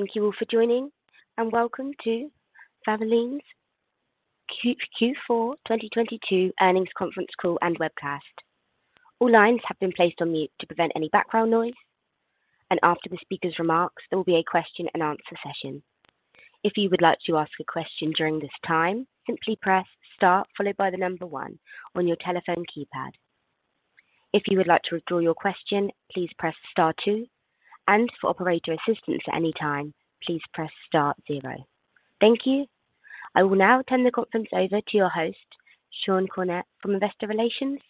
Thank you all for joining, and welcome to Valvoline's Q4 2022 Earnings Conference Call and Webcast. All lines have been placed on mute to prevent any background noise, and after the speaker's remarks, there will be a question-and-answer session. If you would like to ask a question during this time, simply press star followed by the number one on your telephone keypad. If you would like to withdraw your question, please press star two, and for operator assistance at any time, please press star zero. Thank you. I will now turn the conference over to your host, Sean Cornett from Investor Relations.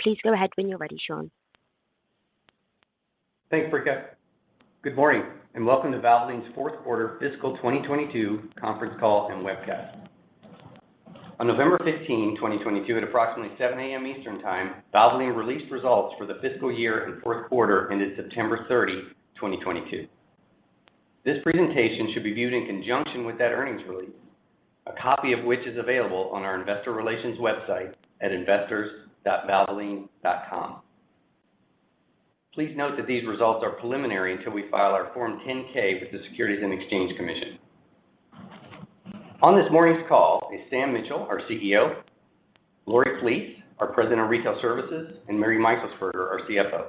Please go ahead when you're ready, Sean. Thanks, Rika. Good morning, and welcome to Valvoline's Fourth Quarter Fiscal 2022 Conference Call and Webcast. On November 15, 2022, at approximately 7 A.M. Eastern Time, Valvoline released results for the fiscal year and fourth quarter ended September 30, 2022. This presentation should be viewed in conjunction with that earnings release, a copy of which is available on our investor relations website at investors.valvoline.com. Please note that these results are preliminary until we file our Form 10-K with the Securities and Exchange Commission. On this morning's call is Sam Mitchell, our CEO, Lori Flees, our President of Retail Services, and Mary Meixelsperger, our CFO.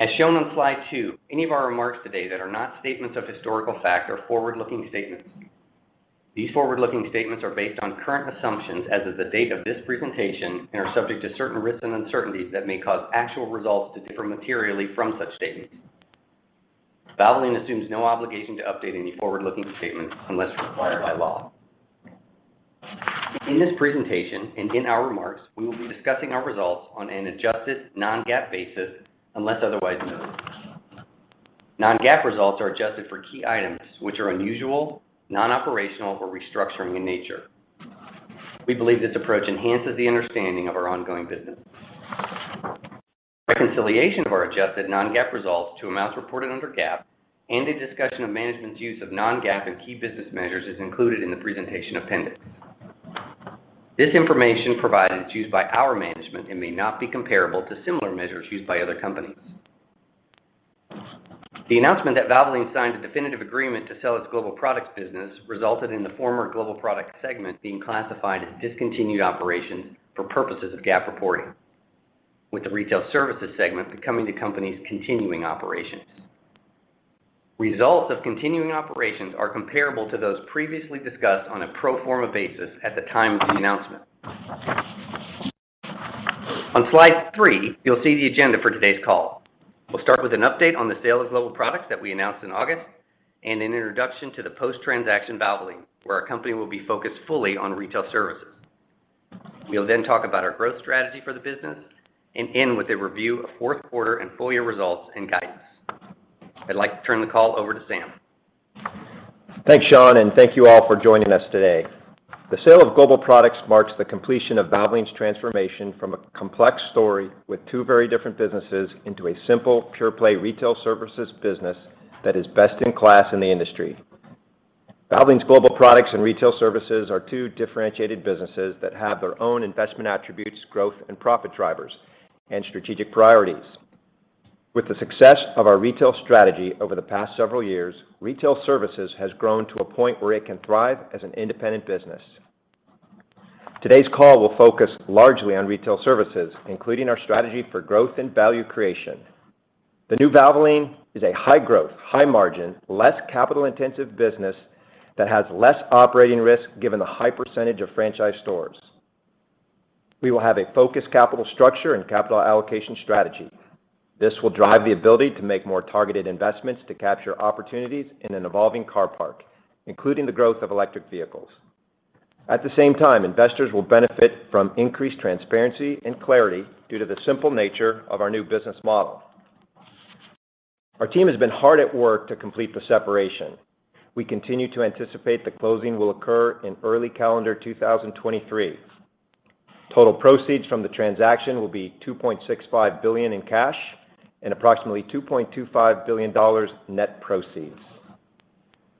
As shown on slide two, any of our remarks today that are not statements of historical fact are forward-looking statements. These forward-looking statements are based on current assumptions as of the date of this presentation and are subject to certain risks and uncertainties that may cause actual results to differ materially from such statements. Valvoline assumes no obligation to update any forward-looking statements unless required by law. In this presentation and in our remarks, we will be discussing our results on an adjusted non-GAAP basis unless otherwise noted. Non-GAAP results are adjusted for key items which are unusual, non-operational or restructuring in nature. We believe this approach enhances the understanding of our ongoing business. Reconciliation of our adjusted non-GAAP results to amounts reported under GAAP and a discussion of management's use of non-GAAP and key business measures is included in the presentation appendix. This information provided is used by our management and may not be comparable to similar measures used by other companies. The announcement that Valvoline signed a definitive agreement to sell its Global Products business resulted in the former Global Products segment being classified as discontinued operations for purposes of GAAP reporting, with the Retail Services segment becoming the company's continuing operations. Results of continuing operations are comparable to those previously discussed on a pro forma basis at the time of the announcement. On slide three, you'll see the agenda for today's call. We'll start with an update on the sale of Global Products that we announced in August and an introduction to the post-transaction Valvoline, where our company will be focused fully on retail services. We'll then talk about our growth strategy for the business and end with a review of fourth quarter and full year results and guidance. I'd like to turn the call over to Sam. Thanks, Sean, and thank you all for joining us today. The sale of Global Products marks the completion of Valvoline's transformation from a complex story with two very different businesses into a simple, pure play retail services business that is best in class in the industry. Valvoline's Global Products and Retail Services are two differentiated businesses that have their own investment attributes, growth, and profit drivers and strategic priorities. With the success of our retail strategy over the past several years, Retail Services has grown to a point where it can thrive as an independent business. Today's call will focus largely on Retail Services, including our strategy for growth and value creation. The new Valvoline is a high growth, high margin, less capital-intensive business that has less operating risk given the high percentage of franchise stores. We will have a focused capital structure and capital allocation strategy. This will drive the ability to make more targeted investments to capture opportunities in an evolving car park, including the growth of electric vehicles. At the same time, investors will benefit from increased transparency and clarity due to the simple nature of our new business model. Our team has been hard at work to complete the separation. We continue to anticipate the closing will occur in early calendar 2023. Total proceeds from the transaction will be $2.65 billion in cash and approximately $2.25 billion net proceeds.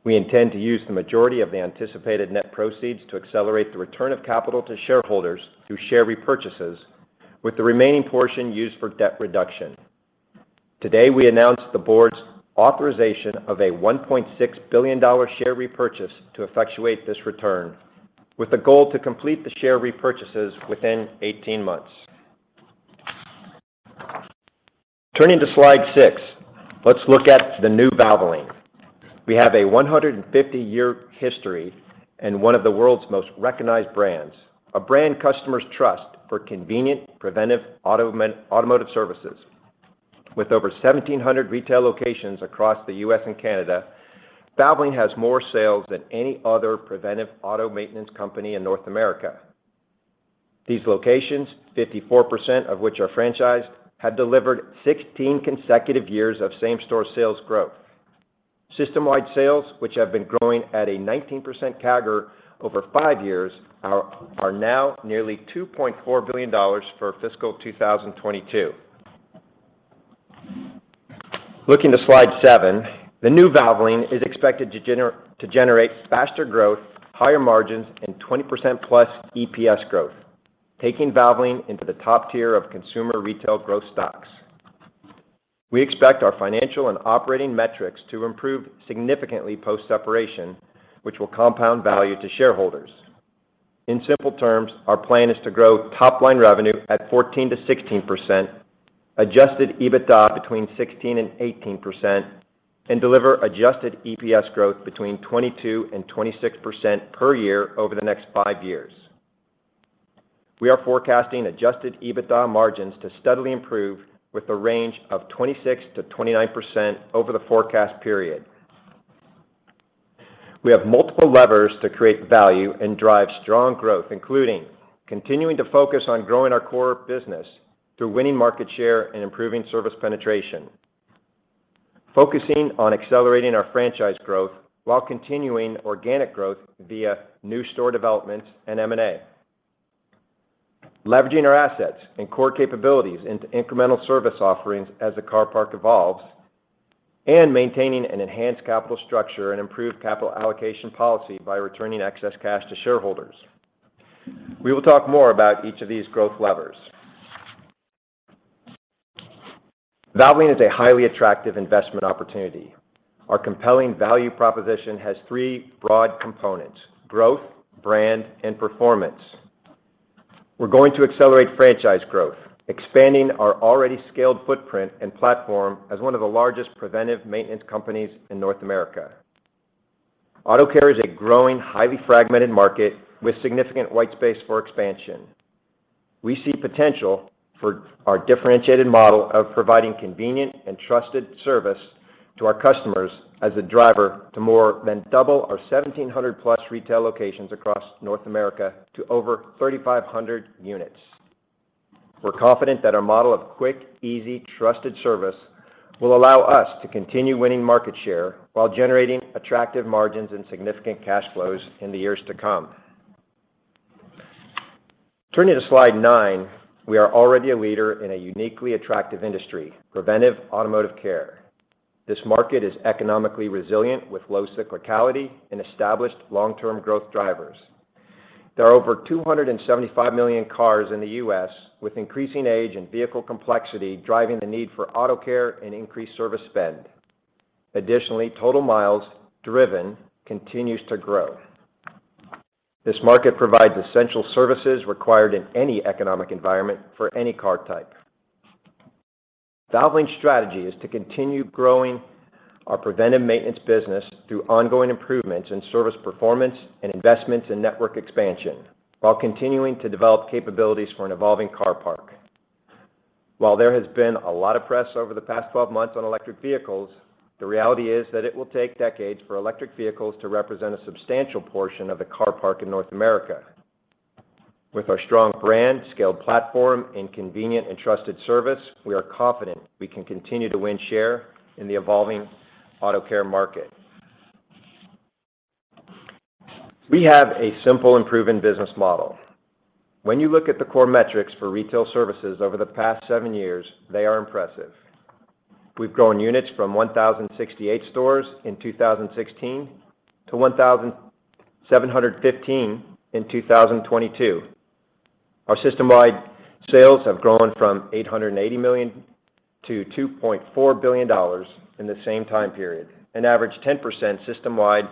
We intend to use the majority of the anticipated net proceeds to accelerate the return of capital to shareholders through share repurchases, with the remaining portion used for debt reduction. Today, we announced the board's authorization of a $1.6 billion share repurchase to effectuate this return, with the goal to complete the share repurchases within 18 months. Turning to slide six, let's look at the new Valvoline. We have a 150-year history and one of the world's most recognized brands, a brand customers trust for convenient, preventive automotive services. With over 1,700 retail locations across the U.S. and Canada, Valvoline has more sales than any other preventive auto maintenance company in North America. These locations, 54% of which are franchised, have delivered 16 consecutive years of same-store sales growth. System-wide sales, which have been growing at a 19% CAGR over five years, are now nearly $2.4 billion for fiscal 2022. Looking to slide seven, the new Valvoline is expected to generate faster growth, higher margins, and 20%+ EPS growth. Taking Valvoline into the top tier of consumer retail growth stocks. We expect our financial and operating metrics to improve significantly post-separation, which will compound value to shareholders. In simple terms, our plan is to grow top line revenue at 14%-16%, adjusted EBITDA between 16% and 18%, and deliver adjusted EPS growth between 22%-26% per year over the next five years. We are forecasting adjusted EBITDA margins to steadily improve with a range of 26%-29% over the forecast period. We have multiple levers to create value and drive strong growth, including continuing to focus on growing our core business through winning market share and improving service penetration, focusing on accelerating our franchise growth while continuing organic growth via new store developments and M&A, leveraging our assets and core capabilities into incremental service offerings as the car park evolves, and maintaining an enhanced capital structure and improved capital allocation policy by returning excess cash to shareholders. We will talk more about each of these growth levers. Valvoline is a highly attractive investment opportunity. Our compelling value proposition has three broad components, growth, brand, and performance. We're going to accelerate franchise growth, expanding our already scaled footprint and platform as one of the largest preventive maintenance companies in North America. Auto care is a growing, highly fragmented market with significant white space for expansion. We see potential for our differentiated model of providing convenient and trusted service to our customers as a driver to more than double our 1,700+ retail locations across North America to over 3,500 units. We're confident that our model of quick, easy, trusted service will allow us to continue winning market share while generating attractive margins and significant cash flows in the years to come. Turning to Slide nine. We are already a leader in a uniquely attractive industry, preventive automotive care. This market is economically resilient with low cyclicality and established long-term growth drivers. There are over 275 million cars in the U.S., with increasing age and vehicle complexity driving the need for auto care and increased service spend. Additionally, total miles driven continues to grow. This market provides essential services required in any economic environment for any car type. Valvoline's strategy is to continue growing our preventive maintenance business through ongoing improvements in service performance and investments in network expansion while continuing to develop capabilities for an evolving car park. While there has been a lot of press over the past 12 months on electric vehicles, the reality is that it will take decades for electric vehicles to represent a substantial portion of the car park in North America. With our strong brand, scaled platform, and convenient and trusted service, we are confident we can continue to win share in the evolving auto care market. We have a simple and proven business model. When you look at the core metrics for Retail Services over the past seven years, they are impressive. We've grown units from 1,068 stores in 2016 to 1,715 in 2022. Our system-wide sales have grown from $880 million to $2.4 billion in the same time period, an average 10% system-wide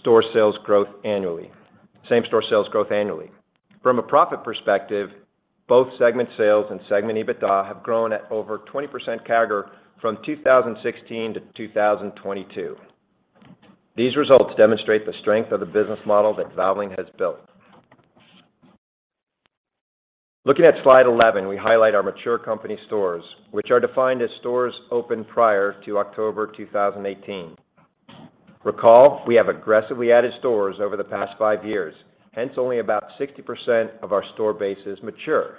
store sales growth annually, same-store sales growth annually. From a profit perspective, both segment sales and segment EBITDA have grown at over 20% CAGR from 2016-2022. These results demonstrate the strength of the business model that Valvoline has built. Looking at slide 11, we highlight our mature company stores, which are defined as stores opened prior to October 2018. Recall, we have aggressively added stores over the past five years. Hence, only about 60% of our store base is mature.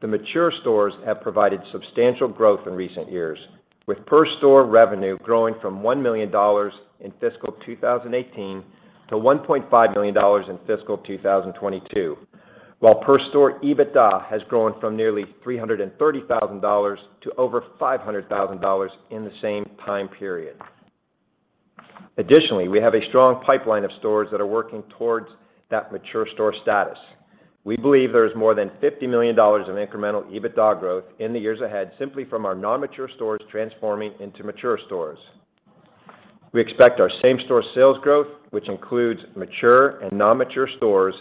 The mature stores have provided substantial growth in recent years, with per store revenue growing from $1 million in fiscal 2018 to $1.5 million in fiscal 2022, while per store EBITDA has grown from nearly $330,000 to over $500,000 in the same time period. Additionally, we have a strong pipeline of stores that are working towards that mature store status. We believe there is more than $50 million of incremental EBITDA growth in the years ahead simply from our non-mature stores transforming into mature stores. We expect our same-store sales growth, which includes mature and non-mature stores,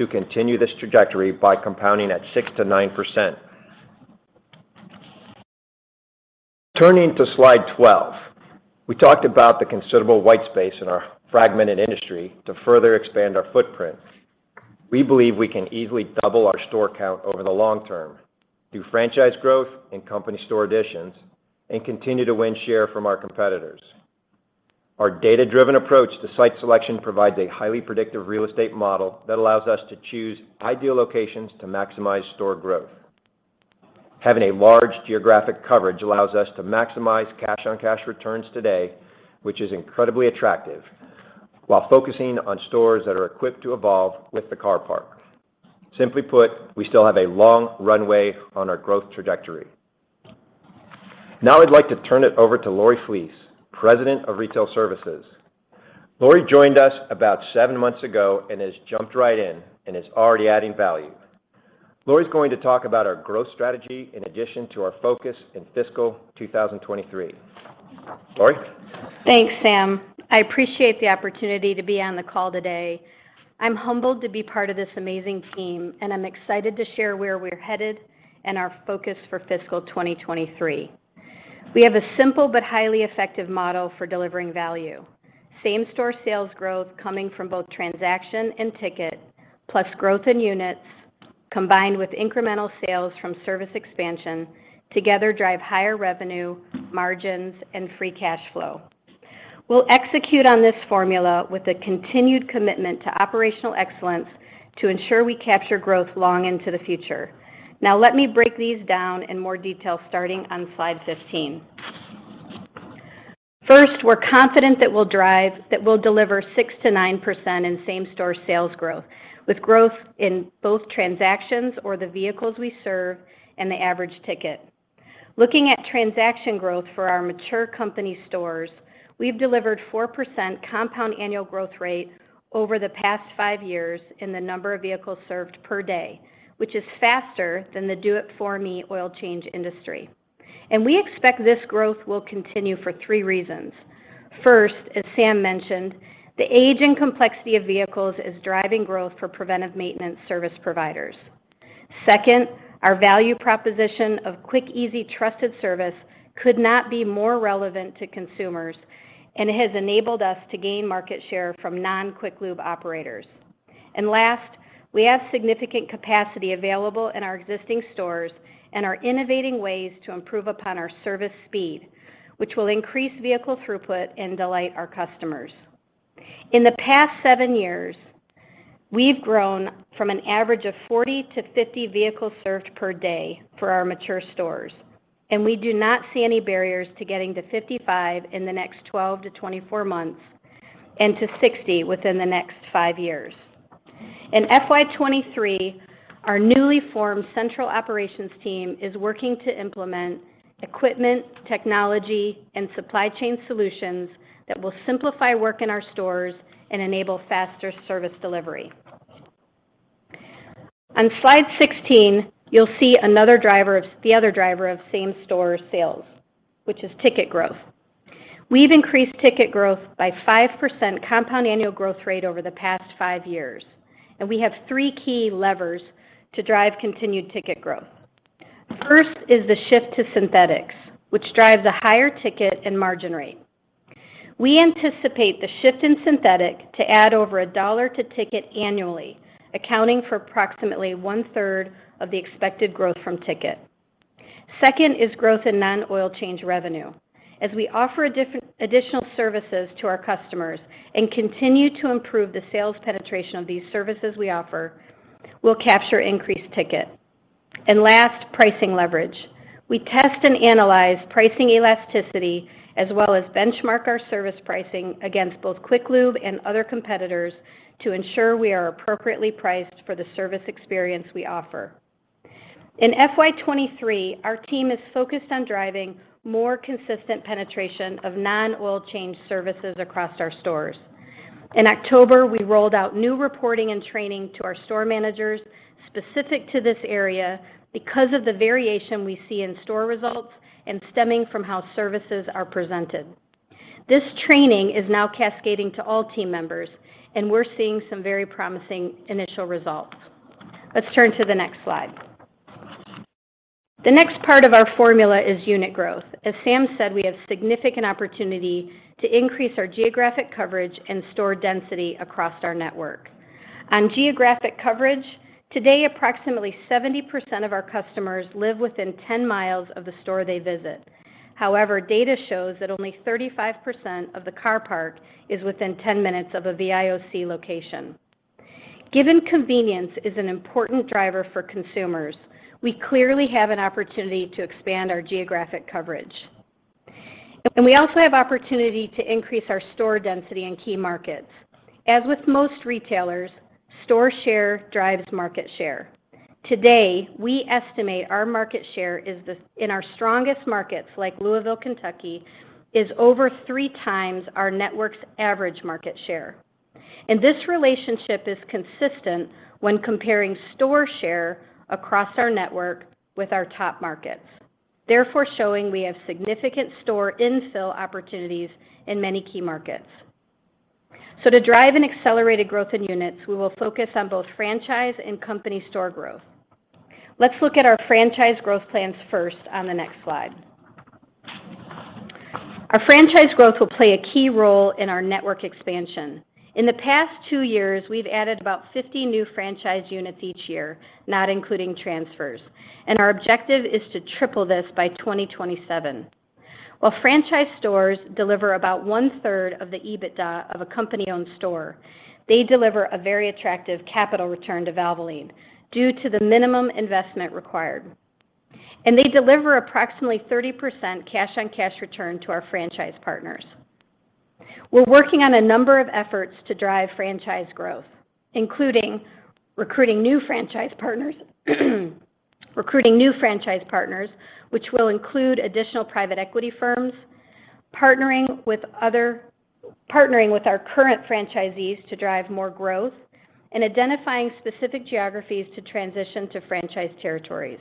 to continue this trajectory by compounding at 6%-9%. Turning to slide 12. We talked about the considerable white space in our fragmented industry to further expand our footprint. We believe we can easily double our store count over the long term through franchise growth and company store additions and continue to win share from our competitors. Our data-driven approach to site selection provides a highly predictive real estate model that allows us to choose ideal locations to maximize store growth. Having a large geographic coverage allows us to maximize cash-on-cash returns today, which is incredibly attractive, while focusing on stores that are equipped to evolve with the car park. Simply put, we still have a long runway on our growth trajectory. Now I'd like to turn it over to Lori Flees, President of Retail Services. Lori Flees joined us about seven months ago and has jumped right in and is already adding value. Lori going to talk about our growth strategy in addition to our focus in fiscal 2023. Lori? Thanks, Sam. I appreciate the opportunity to be on the call today. I'm humbled to be part of this amazing team, and I'm excited to share where we're headed and our focus for fiscal 2023. We have a simple but highly effective model for delivering value. Same-store sales growth coming from both transaction and ticket, plus growth in units, combined with incremental sales from service expansion together drive higher revenue, margins, and free cash flow. We'll execute on this formula with a continued commitment to operational excellence to ensure we capture growth long into the future. Now let me break these down in more detail starting on slide 15. First, we're confident that we'll deliver 6%-9% in same-store sales growth, with growth in both transactions or the vehicles we serve and the average ticket. Looking at transaction growth for our mature company stores, we've delivered 4% compound annual growth rate over the past five years in the number of vehicles served per day, which is faster than the do it for me oil change industry. We expect this growth will continue for three reasons. First, as Sam mentioned, the age and complexity of vehicles is driving growth for preventive maintenance service providers. Second, our value proposition of quick, easy, trusted service could not be more relevant to consumers and has enabled us to gain market share from non-quick lube operators. Last, we have significant capacity available in our existing stores and are innovating ways to improve upon our service speed, which will increase vehicle throughput and delight our customers. In the past seven years, we've grown from an average of 40 vehicles-50 vehicles served per day for our mature stores, and we do not see any barriers to getting to 55 in the next 12 months-24 months and to 60 within the next five years. In FY 2023, our newly formed central operations team is working to implement equipment, technology, and supply chain solutions that will simplify work in our stores and enable faster service delivery. On slide 16, you'll see another driver, the other driver of same-store sales, which is ticket growth. We've increased ticket growth by 5% compound annual growth rate over the past five years, and we have three key levers to drive continued ticket growth. First is the shift to synthetics, which drives a higher ticket and margin rate. We anticipate the shift in synthetic to add over $1 to ticket annually, accounting for approximately 1/3 of the expected growth from ticket. Second is growth in non-oil change revenue. As we offer additional services to our customers and continue to improve the sales penetration of these services we offer, we'll capture increased ticket. Last, pricing leverage. We test and analyze pricing elasticity as well as benchmark our service pricing against both quick lube and other competitors to ensure we are appropriately priced for the service experience we offer. In FY 2023, our team is focused on driving more consistent penetration of non-oil change services across our stores. In October, we rolled out new reporting and training to our store managers specific to this area because of the variation we see in store results and stemming from how services are presented. This training is now cascading to all team members, and we're seeing some very promising initial results. Let's turn to the next slide. The next part of our formula is unit growth. As Sam said, we have significant opportunity to increase our geographic coverage and store density across our network. On geographic coverage, today approximately 70% of our customers live within 10 mi of the store they visit. However, data shows that only 35% of the car park is within 10 minutes of a VIOC location. Given convenience is an important driver for consumers, we clearly have an opportunity to expand our geographic coverage. We also have opportunity to increase our store density in key markets. As with most retailers, store share drives market share. Today, we estimate our market share is in our strongest markets like Louisville, Kentucky, is over 3x our network's average market share. This relationship is consistent when comparing store share across our network with our top markets, therefore showing we have significant store infill opportunities in many key markets. To drive an accelerated growth in units, we will focus on both franchise and company store growth. Let's look at our franchise growth plans first on the next slide. Our franchise growth will play a key role in our network expansion. In the past two years, we've added about 50 new franchise units each year, not including transfers, and our objective is to triple this by 2027. While franchise stores deliver about 1/3 of the EBITDA of a company-owned store, they deliver a very attractive capital return to Valvoline due to the minimum investment required. They deliver approximately 30% cash-on-cash return to our franchise partners. We're working on a number of efforts to drive franchise growth, including recruiting new franchise partners, which will include additional private equity firms, partnering with our current franchisees to drive more growth, and identifying specific geographies to transition to franchise territories.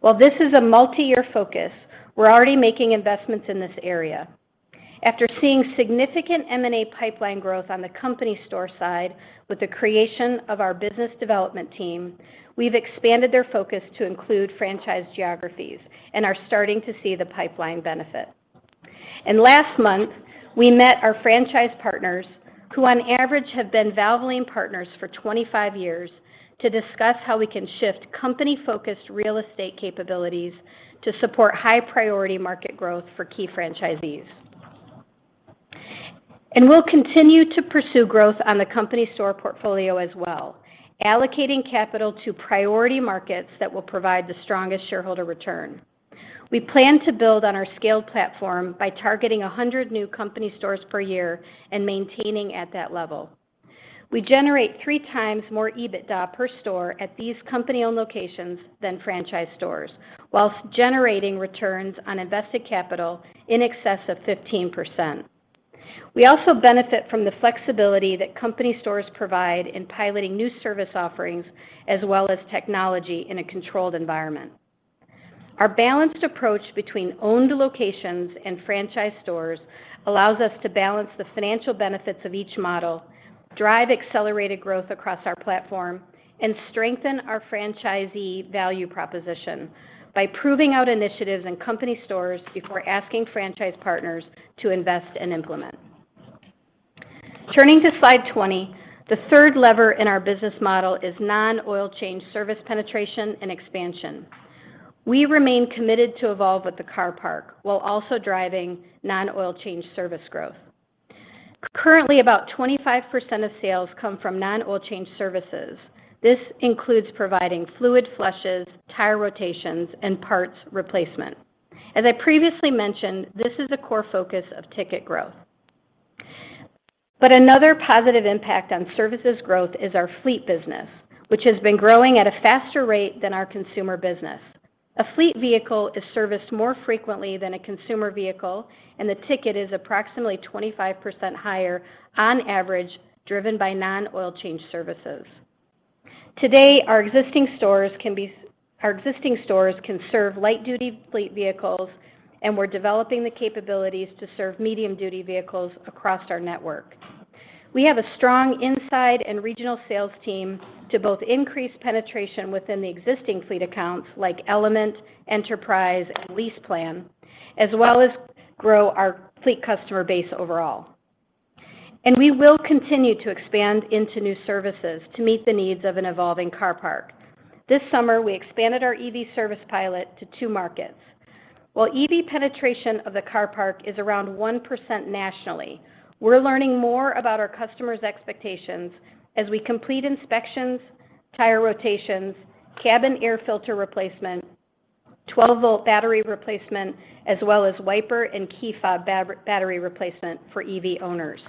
While this is a multi-year focus, we're already making investments in this area. After seeing significant M&A pipeline growth on the company store side with the creation of our business development team, we've expanded their focus to include franchise geographies and are starting to see the pipeline benefit. Last month, we met our franchise partners, who on average have been Valvoline partners for 25 years, to discuss how we can shift company-focused real estate capabilities to support high-priority market growth for key franchisees. We'll continue to pursue growth on the company store portfolio as well, allocating capital to priority markets that will provide the strongest shareholder return. We plan to build on our scaled platform by targeting 100 new company stores per year and maintaining at that level. We generate 3x more EBITDA per store at these company-owned locations than franchise stores, while generating returns on invested capital in excess of 15%. We also benefit from the flexibility that company stores provide in piloting new service offerings as well as technology in a controlled environment. Our balanced approach between owned locations and franchise stores allows us to balance the financial benefits of each model, drive accelerated growth across our platform, and strengthen our franchisee value proposition by proving out initiatives in company stores before asking franchise partners to invest and implement. Turning to slide 20, the third lever in our business model is non-oil change service penetration and expansion. We remain committed to evolve with the car park while also driving non-oil change service growth. Currently, about 25% of sales come from non-oil change services. This includes providing fluid flushes, tire rotations, and parts replacement. As I previously mentioned, this is a core focus of ticket growth. Another positive impact on services growth is our fleet business, which has been growing at a faster rate than our consumer business. A fleet vehicle is serviced more frequently than a consumer vehicle, and the ticket is approximately 25% higher on average, driven by non-oil change services. Today, our existing stores can serve light-duty fleet vehicles, and we're developing the capabilities to serve medium-duty vehicles across our network. We have a strong inside and regional sales team to both increase penetration within the existing fleet accounts like Element, Enterprise, and LeasePlan, as well as grow our fleet customer base overall. We will continue to expand into new services to meet the needs of an evolving car park. This summer, we expanded our EV service pilot to two markets. While EV penetration of the car park is around 1% nationally, we're learning more about our customers' expectations as we complete inspections, tire rotations, cabin air filter replacement, 12 V battery replacement, as well as wiper and key fob battery replacement for EV owners.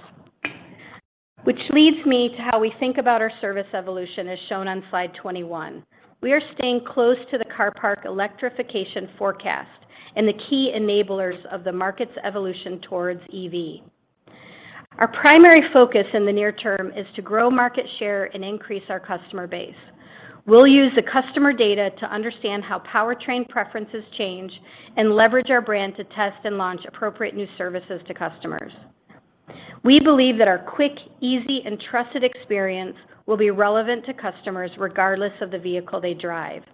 Which leads me to how we think about our service evolution as shown on slide 21. We are staying close to the car park electrification forecast and the key enablers of the market's evolution towards EV. Our primary focus in the near term is to grow market share and increase our customer base. We'll use the customer data to understand how powertrain preferences change and leverage our brand to test and launch appropriate new services to customers. We believe that our quick, easy, and trusted experience will be relevant to customers regardless of the vehicle they drive.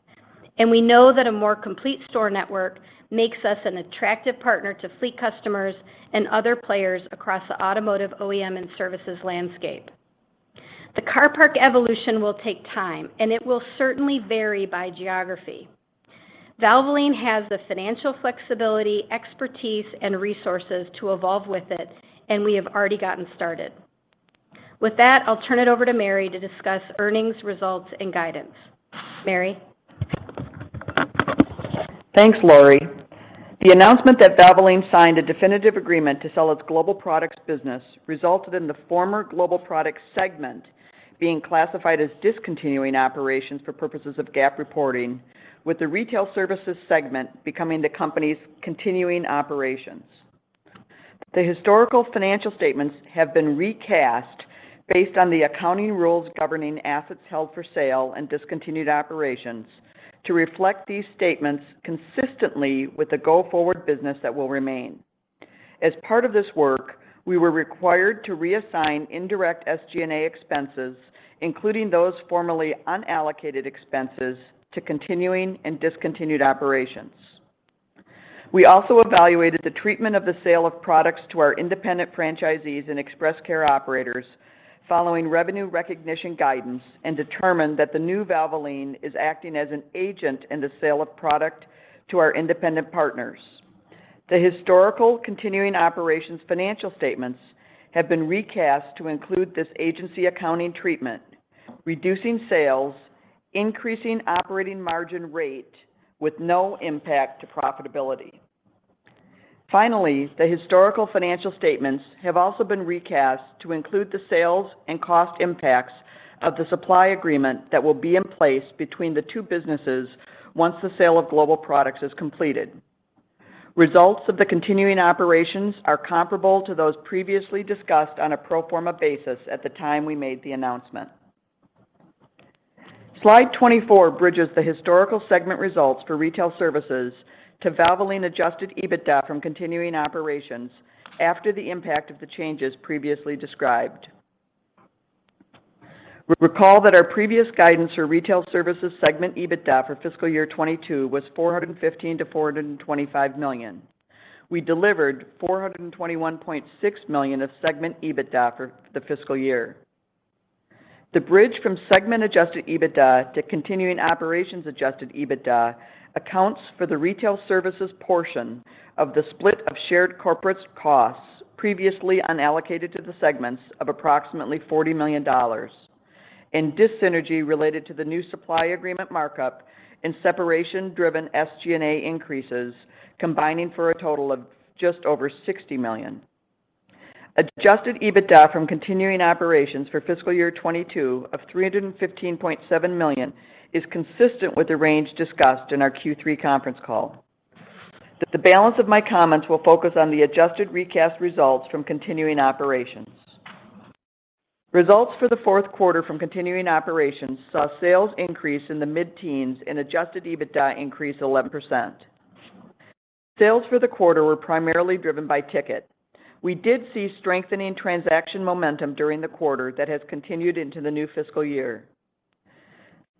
We know that a more complete store network makes us an attractive partner to fleet customers and other players across the automotive OEM and services landscape. The car park evolution will take time, and it will certainly vary by geography. Valvoline has the financial flexibility, expertise, and resources to evolve with it, and we have already gotten started. With that, I'll turn it over to Mary to discuss earnings results and guidance. Mary? Thanks, Lori. The announcement that Valvoline signed a definitive agreement to sell its Global Products business resulted in the former Global Products segment being classified as discontinued operations for purposes of GAAP reporting, with the Retail Services segment becoming the company's continuing operations. The historical financial statements have been recast based on the accounting rules governing assets held for sale and discontinued operations to reflect these statements consistently with the go-forward business that will remain. As part of this work, we were required to reassign indirect SG&A expenses, including those formerly unallocated expenses, to continuing and discontinued operations. We also evaluated the treatment of the sale of products to our independent franchisees and express care operators following revenue recognition guidance and determined that the new Valvoline is acting as an agent in the sale of product to our independent partners. The historical continuing operations financial statements have been recast to include this agency accounting treatment. Reducing sales, increasing operating margin rate with no impact to profitability. Finally, the historical financial statements have also been recast to include the sales and cost impacts of the supply agreement that will be in place between the two businesses once the sale of Global Products is completed. Results of the continuing operations are comparable to those previously discussed on a pro forma basis at the time we made the announcement. Slide 24 bridges the historical segment results for Retail Services to Valvoline adjusted EBITDA from continuing operations after the impact of the changes previously described. Recall that our previous guidance for Retail Services segment EBITDA for fiscal year 2022 was $415 million-$425 million. We delivered $421.6 million of segment EBITDA for the fiscal year. The bridge from segment adjusted EBITDA to continuing operations adjusted EBITDA accounts for the Retail Services portion of the split of shared corporate costs previously unallocated to the segments of approximately $40 million in dis-synergy related to the new supply agreement markup and separation-driven SG&A increases, combining for a total of just over $60 million. Adjusted EBITDA from continuing operations for fiscal year 2022 of $315.7 million is consistent with the range discussed in our Q3 conference call. The balance of my comments will focus on the adjusted recast results from continuing operations. Results for the fourth quarter from continuing operations saw sales increase in the mid-teens and adjusted EBITDA increase 11%. Sales for the quarter were primarily driven by ticket. We did see strengthening transaction momentum during the quarter that has continued into the new fiscal year.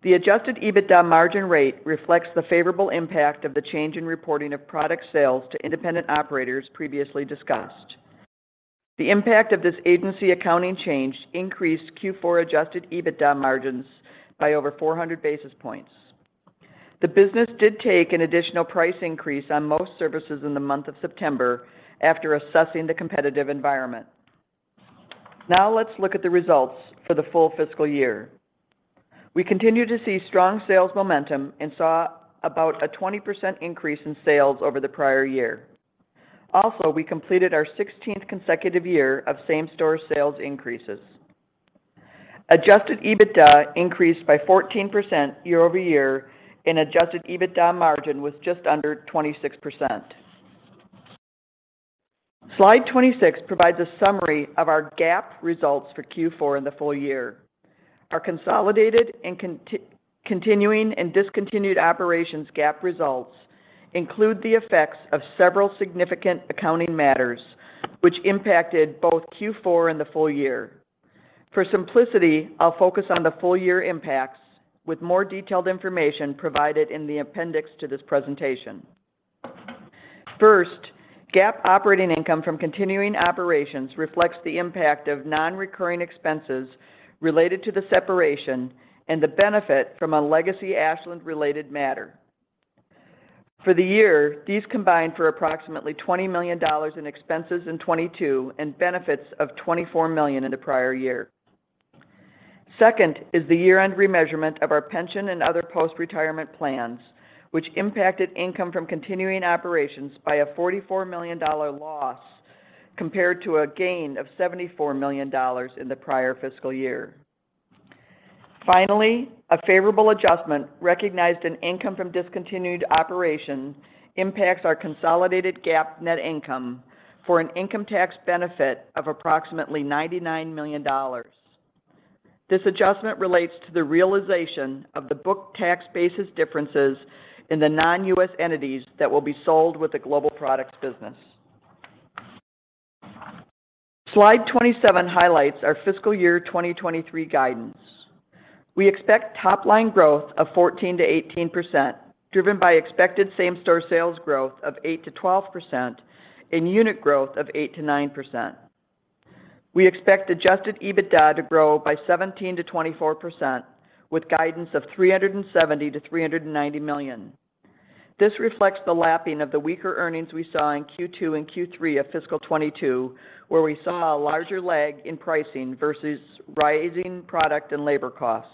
The adjusted EBITDA margin rate reflects the favorable impact of the change in reporting of product sales to independent operators previously discussed. The impact of this agency accounting change increased Q4 adjusted EBITDA margins by over 400 basis points. The business did take an additional price increase on most services in the month of September after assessing the competitive environment. Now let's look at the results for the full fiscal year. We continue to see strong sales momentum and saw about a 20% increase in sales over the prior year. Also, we completed our 16th consecutive year of same-store sales increases. Adjusted EBITDA increased by 14% year-over-year and adjusted EBITDA margin was just under 26%. Slide 26 provides a summary of our GAAP results for Q4 in the full year. Our consolidated and continuing and discontinued operations GAAP results include the effects of several significant accounting matters which impacted both Q4 and the full year. For simplicity, I'll focus on the full year impacts with more detailed information provided in the appendix to this presentation. First, GAAP operating income from continuing operations reflects the impact of non-recurring expenses related to the separation and the benefit from a legacy Ashland-related matter. For the year, these combined for approximately $20 million in expenses in 2022 and benefits of $24 million in the prior year. Second is the year-end remeasurement of our pension and other post-retirement plans, which impacted income from continuing operations by a $44 million loss compared to a gain of $74 million in the prior fiscal year. Finally, a favorable adjustment recognized in income from discontinued operations impacts our consolidated GAAP net income for an income tax benefit of approximately $99 million. This adjustment relates to the realization of the book tax basis differences in the non-U.S. entities that will be sold with the Global Products business. Slide 27 highlights our fiscal year 2023 guidance. We expect top line growth of 14%-18%, driven by expected same store sales growth of 8%-12% and unit growth of 8%-9%. We expect adjusted EBITDA to grow by 17%-24% with guidance of $370 million-$390 million. This reflects the lapping of the weaker earnings we saw in Q2 and Q3 of fiscal 2022, where we saw a larger lag in pricing versus rising product and labor costs.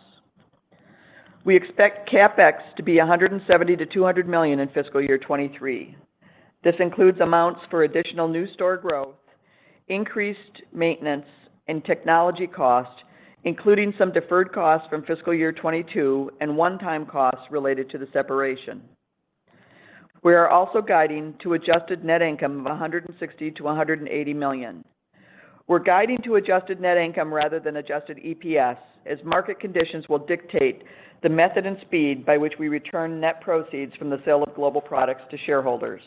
We expect CapEx to be $170 million-$200 million in fiscal year 2023. This includes amounts for additional new store growth, increased maintenance and technology costs, including some deferred costs from fiscal year 2022 and one-time costs related to the separation. We are also guiding to adjusted net income of $160 million-$180 million. We're guiding to adjusted net income rather than adjusted EPS as market conditions will dictate the method and speed by which we return net proceeds from the sale of global products to shareholders.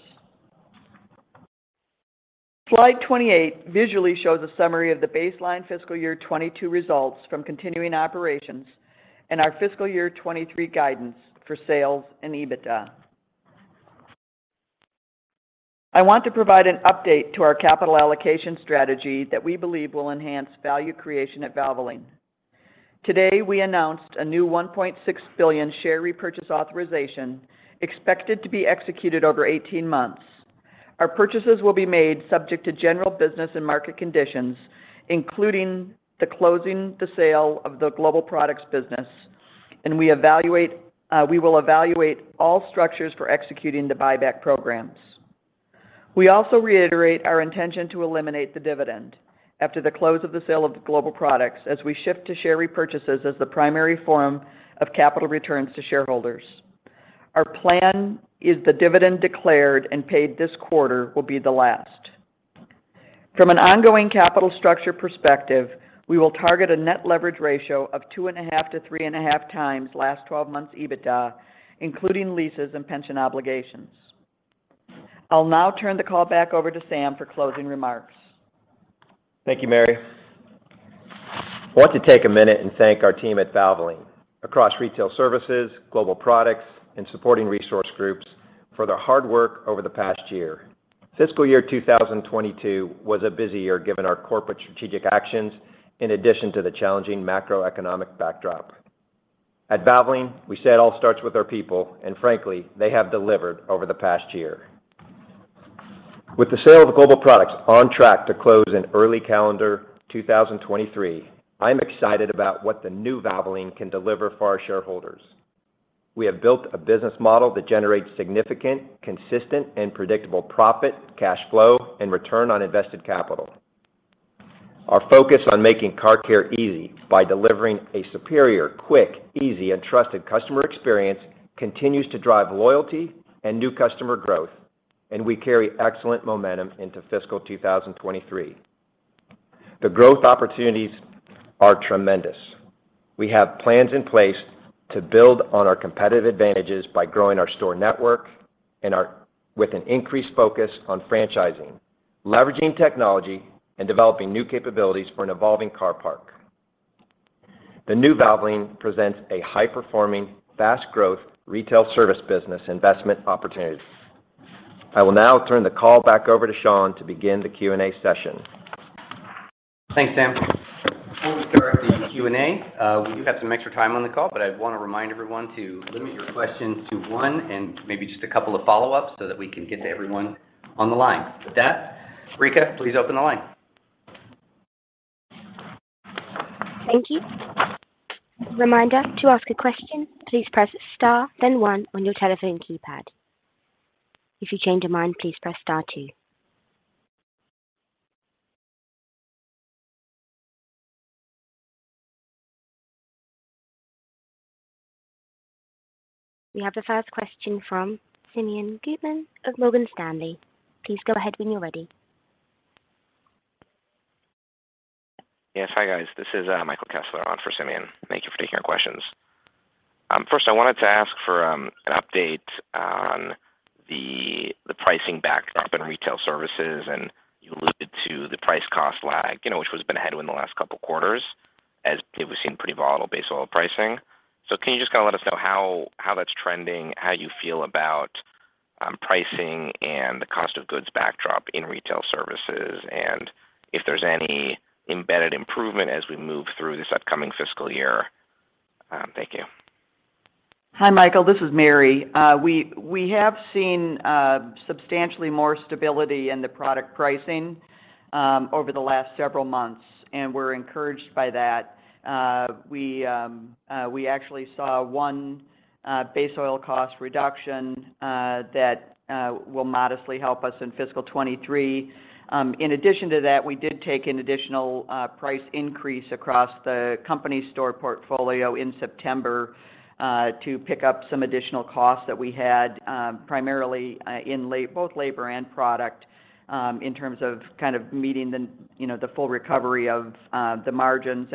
Slide 28 visually shows a summary of the baseline fiscal year 2022 results from continuing operations and our fiscal year 2023 guidance for sales and EBITDA. I want to provide an update to our capital allocation strategy that we believe will enhance value creation at Valvoline. Today, we announced a new $1.6 billion share repurchase authorization expected to be executed over 18 months. Our purchases will be made subject to general business and market conditions, including the closing the sale of the Global Products business, and we will evaluate all structures for executing the buyback programs. We also reiterate our intention to eliminate the dividend after the close of the sale of Global Products as we shift to share repurchases as the primary form of capital returns to shareholders. Our plan is the dividend declared and paid this quarter will be the last. From an ongoing capital structure perspective, we will target a net leverage ratio of 2.5x-3.5x last 12 months EBITDA, including leases and pension obligations. I'll now turn the call back over to Sam for closing remarks. Thank you, Mary. I want to take a minute and thank our team at Valvoline across Retail Services, Global Products, and supporting resource groups for their hard work over the past year. Fiscal year 2022 was a busy year, given our corporate strategic actions in addition to the challenging macroeconomic backdrop. At Valvoline, we say it all starts with our people, and frankly, they have delivered over the past year. With the sale of Global Products on track to close in early calendar 2023, I'm excited about what the new Valvoline can deliver for our shareholders. We have built a business model that generates significant, consistent, and predictable profit, cash flow, and return on invested capital. Our focus on making car care easy by delivering a superior, quick, easy, and trusted customer experience continues to drive loyalty and new customer growth, and we carry excellent momentum into fiscal 2023. The growth opportunities are tremendous. We have plans in place to build on our competitive advantages by growing our store network with an increased focus on franchising, leveraging technology, and developing new capabilities for an evolving car park. The new Valvoline presents a high-performing, fast growth retail service business investment opportunity. I will now turn the call back over to Sean to begin the Q&A session. Thanks, Sam. We'll start the Q&A. We do have some extra time on the call, but I wanna remind everyone to limit your questions to one and maybe just a couple of follow-ups so that we can get to everyone on the line. With that, Rika, please open the line. Thank you. Reminder, to ask a question, please press star, then one on your telephone keypad. If you change your mind, please press star two. We have the first question from Simeon Gutman of Morgan Stanley. Please go ahead when you're ready. Yes. Hi, guys. This is Michael Kessler on for Simeon. Thank you for taking our questions. First, I wanted to ask for an update on the pricing backdrop in Retail Services, and you alluded to the price cost lag, you know, which has been a headwind the last couple quarters as we've seen pretty volatile base oil pricing. So can you just kinda let us know how that's trending, how you feel about pricing and the cost of goods backdrop in Retail Services, and if there's any embedded improvement as we move through this upcoming fiscal year? Thank you. Hi, Michael. This is Mary. We have seen substantially more stability in the product pricing over the last several months, and we're encouraged by that. We actually saw one base oil cost reduction that will modestly help us in fiscal 2023. In addition to that, we did take an additional price increase across the company store portfolio in September to pick up some additional costs that we had, primarily in both labor and product, in terms of kind of meeting the, you know, the full recovery of the margins.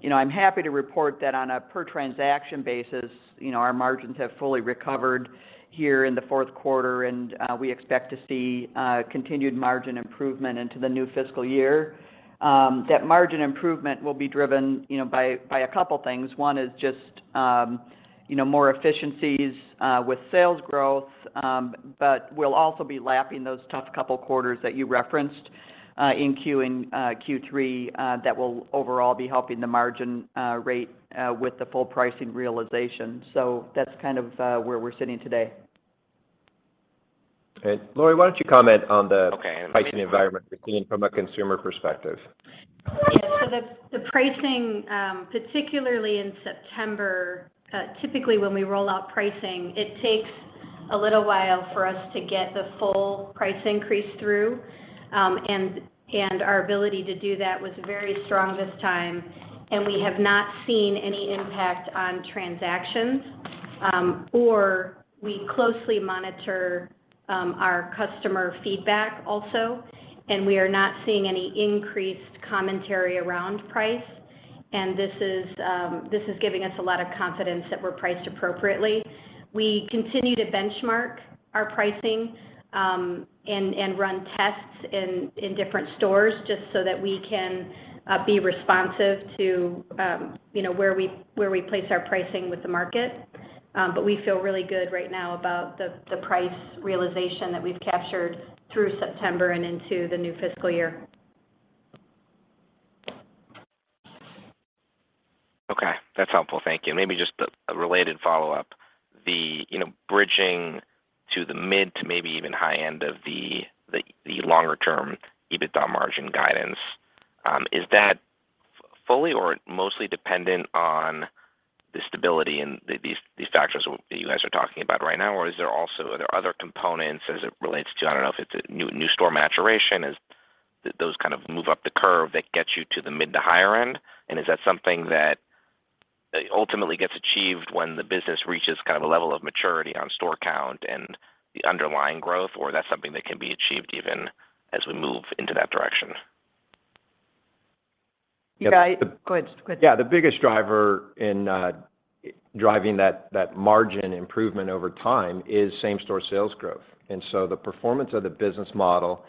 You know, I'm happy to report that on a per transaction basis, you know, our margins have fully recovered here in the fourth quarter, and we expect to see continued margin improvement into the new fiscal year. That margin improvement will be driven, you know, by a couple things. One is just, you know, more efficiencies with sales growth, but we'll also be lapping those tough couple quarters that you referenced in Q3, that will overall be helping the margin rate with the full pricing realization. That's kind of where we're sitting today. Okay. Lori, why don't you comment on the pricing environment we're seeing from a consumer perspective? Yeah. The pricing, particularly in September, typically when we roll out pricing, it takes a little while for us to get the full price increase through. Our ability to do that was very strong this time, and we have not seen any impact on transactions. So we closely monitor our customer feedback also, and we are not seeing any increased commentary around price. This is giving us a lot of confidence that we're priced appropriately. We continue to benchmark our pricing and run tests in different stores just so that we can be responsive to, you know, where we place our pricing with the market. We feel really good right now about the price realization that we've captured through September and into the new fiscal year. Helpful. Thank you. Maybe just a related follow-up. You know, bridging to the mid to maybe even high end of the longer term EBITDA margin guidance, is that fully or mostly dependent on the stability in these factors you guys are talking about right now? Or is there also, are there other components as it relates to, I don't know if it's a new store maturation, as those kind of move up the curve that gets you to the mid to higher end? And is that something that ultimately gets achieved when the business reaches kind of a level of maturity on store count and the underlying growth, or that's something that can be achieved even as we move into that direction? Yeah. The- Go ahead. Yeah. The biggest driver in driving that margin improvement over time is same-store sales growth. The performance of the business model,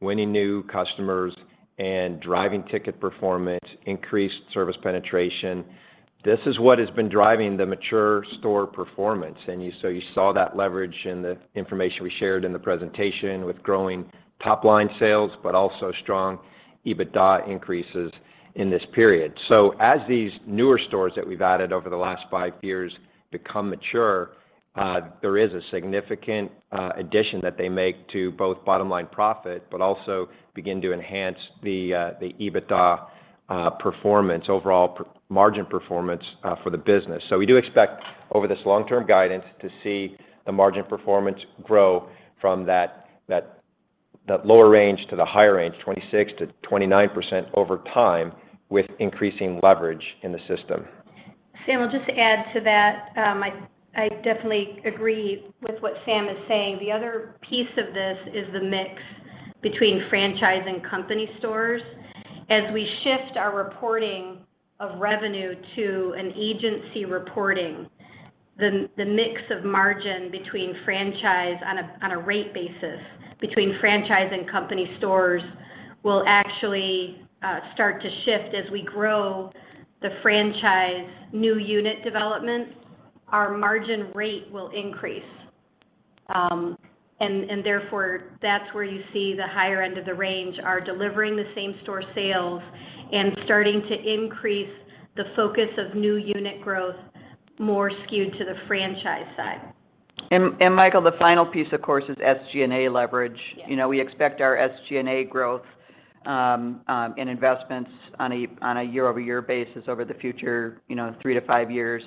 winning new customers and driving ticket performance, increased service penetration, this is what has been driving the mature store performance. You saw that leverage in the information we shared in the presentation with growing top-line sales, but also strong EBITDA increases in this period. As these newer stores that we've added over the last five years become mature, there is a significant addition that they make to both bottom-line profit, but also begin to enhance the EBITDA performance, overall margin performance, for the business. We do expect over this long-term guidance to see the margin performance grow from that lower range to the higher range, 26%-29% over time with increasing leverage in the system. Sam, I'll just add to that. I definitely agree with what Sam is saying. The other piece of this is the mix between franchise and company stores. As we shift our reporting of revenue to an agency reporting, the mix of margin between franchise on a rate basis between franchise and company stores will actually start to shift. As we grow the franchise new unit development, our margin rate will increase. And therefore, that's where you see the higher end of the range are delivering the same store sales and starting to increase the focus of new unit growth more skewed to the franchise side. Michael, the final piece, of course, is SG&A leverage. Yes. You know, we expect our SG&A growth and investments on a year-over-year basis over the future, you know, three or five years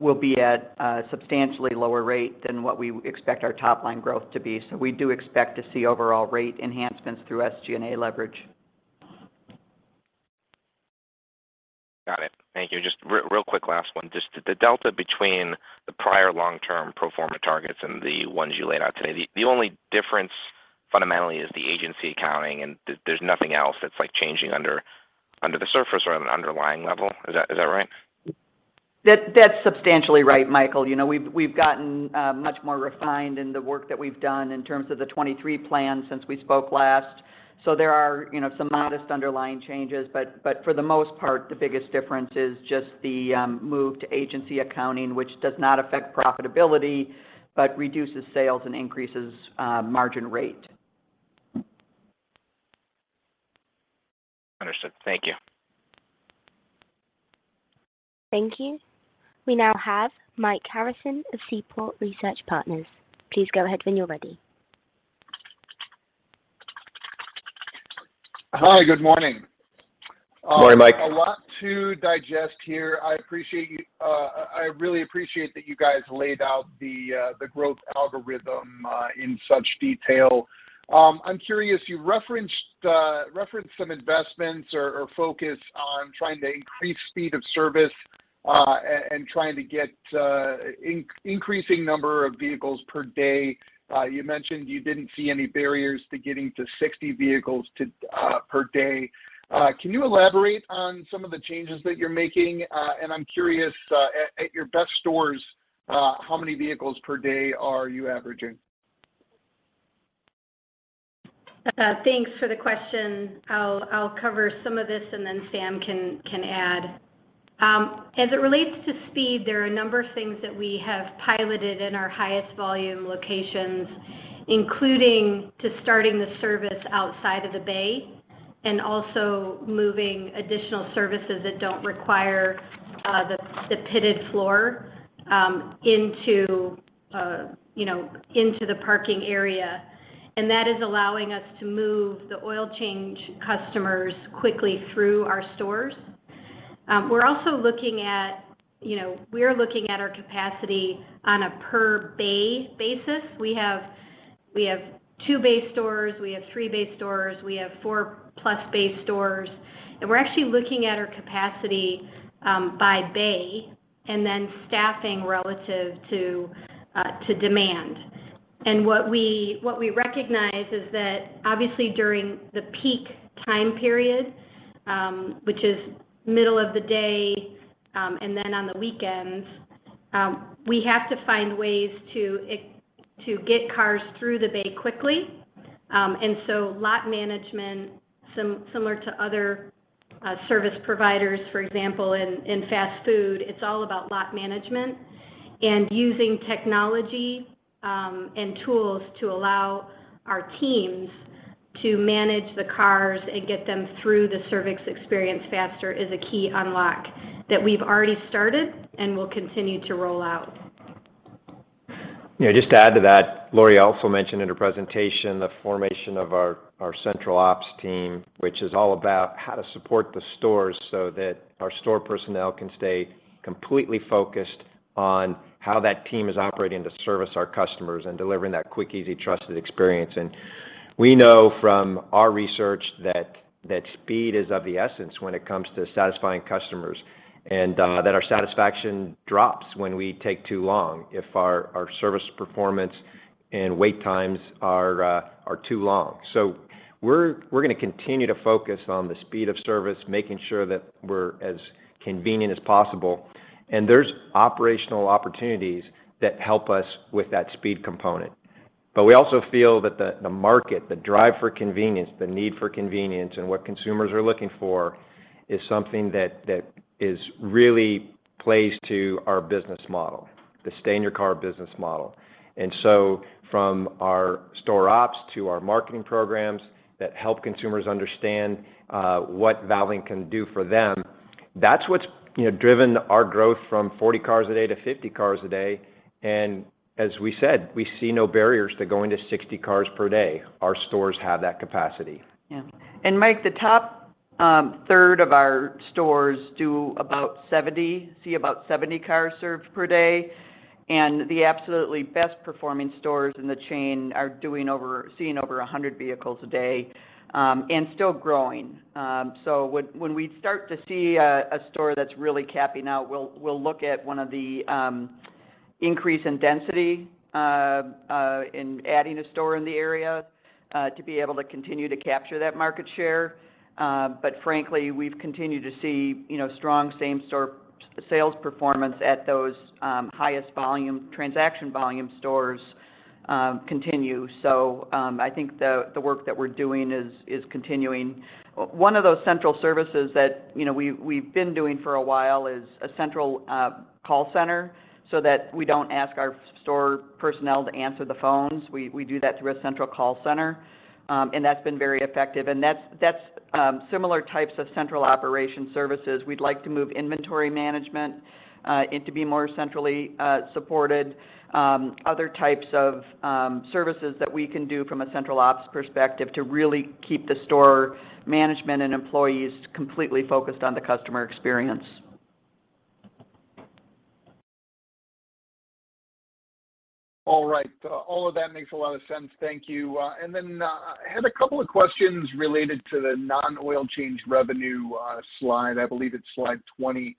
will be at a substantially lower rate than what we expect our top-line growth to be. We do expect to see overall rate enhancements through SG&A leverage. Got it. Thank you. Just real quick, last one. Just the delta between the prior long-term pro forma targets and the ones you laid out today, the only difference fundamentally is the agency accounting, and there's nothing else that's like changing under the surface or on an underlying level. Is that right? That's substantially right, Michael. You know, we've gotten much more refined in the work that we've done in terms of the 2023 plan since we spoke last. There are, you know, some modest underlying changes, but for the most part, the biggest difference is just the move to agency accounting, which does not affect profitability, but reduces sales and increases margin rate. Understood. Thank you. Thank you. We now have Mike Harrison of Seaport Research Partners. Please go ahead when you're ready. Hi, good morning. Morning, Mike. A lot to digest here. I appreciate you. I really appreciate that you guys laid out the growth algorithm in such detail. I'm curious, you referenced some investments or focus on trying to increase speed of service and trying to get increasing number of vehicles per day. You mentioned you didn't see any barriers to getting to 60 vehicles per day. Can you elaborate on some of the changes that you're making? I'm curious, at your best stores, how many vehicles per day are you averaging? Thanks for the question. I'll cover some of this and then Sam can add. As it relates to speed, there are a number of things that we have piloted in our highest volume locations, including starting the service outside of the bay and also moving additional services that don't require the pitted floor into the parking area. That is allowing us to move the oil change customers quickly through our stores. We're also looking at our capacity on a per bay basis. We have two bay stores, we have three bay stores, we have four plus bay stores, and we're actually looking at our capacity by bay and then staffing relative to demand. What we recognize is that obviously during the peak time period, which is middle of the day, and then on the weekends, we have to find ways to get cars through the bay quickly. Lot management, similar to other service providers, for example, in fast food, it's all about lot management and using technology and tools to allow our teams to manage the cars and get them through the service experience faster is a key unlock that we've already started and will continue to roll out. Yeah, just to add to that, Lori also mentioned in her presentation the formation of our central ops team, which is all about how to support the stores so that our store personnel can stay completely focused on how that team is operating to service our customers and delivering that quick, easy, trusted experience. We know from our research that speed is of the essence when it comes to satisfying customers, and that our satisfaction drops when we take too long, if our service performance and wait times are too long. We're gonna continue to focus on the speed of service, making sure that we're as convenient as possible, and there's operational opportunities that help us with that speed component. We also feel that the market, the drive for convenience, the need for convenience, and what consumers are looking for is something that is really plays to our business model, the stay-in-your-car business model. From our store ops to our marketing programs that help consumers understand what Valvoline can do for them, that's what's, you know, driven our growth from 40 cars a day-50 cars a day, and as we said, we see no barriers to going to 60 cars per day. Our stores have that capacity. Yeah. Mike, the top third of our stores do about 70 cars served per day, and the absolutely best performing stores in the chain are doing over 100 vehicles a day and still growing. When we start to see a store that's really capping out, we'll look at one of the increase in density in adding a store in the area to be able to continue to capture that market share. But frankly, we've continued to see, you know, strong same store sales performance at those highest volume, transaction volume stores continue. I think the work that we're doing is continuing. One of those central services that, you know, we've been doing for a while is a central call center so that we don't ask our store personnel to answer the phones. We do that through a central call center, and that's been very effective. That's similar types of central operation services. We'd like to move inventory management and to be more centrally supported. Other types of services that we can do from a central ops perspective to really keep the store management and employees completely focused on the customer experience. All right. All of that makes a lot of sense. Thank you. I had a couple of questions related to the non-oil change revenue slide. I believe it's slide 20.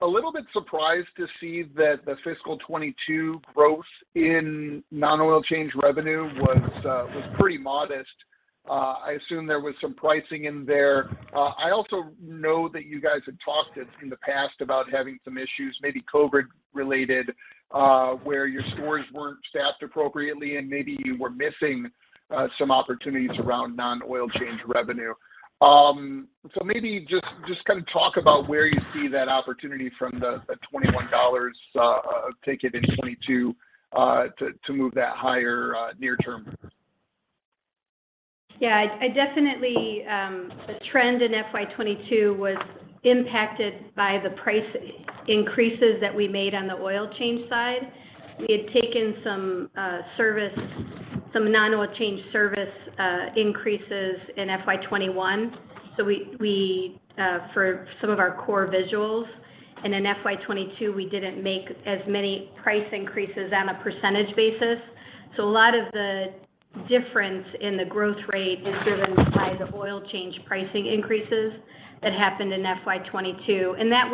A little bit surprised to see that the fiscal 2022 growth in non-oil change revenue was pretty modest. I assume there was some pricing in there. I also know that you guys had talked in the past about having some issues, maybe COVID-related, where your stores weren't staffed appropriately and maybe you were missing some opportunities around non-oil change revenue. Maybe just kind of talk about where you see that opportunity from the $21 ticket in 2022 to move that higher near term. Yeah. I definitely the trend in FY 2022 was impacted by the price increases that we made on the oil change side. We had taken some non-oil change service increases in FY 2021, so we for some of our core services, and in FY 2022 we didn't make as many price increases on a percentage basis. A lot of the difference in the growth rate is driven by the oil change pricing increases that happened in FY 2022, and that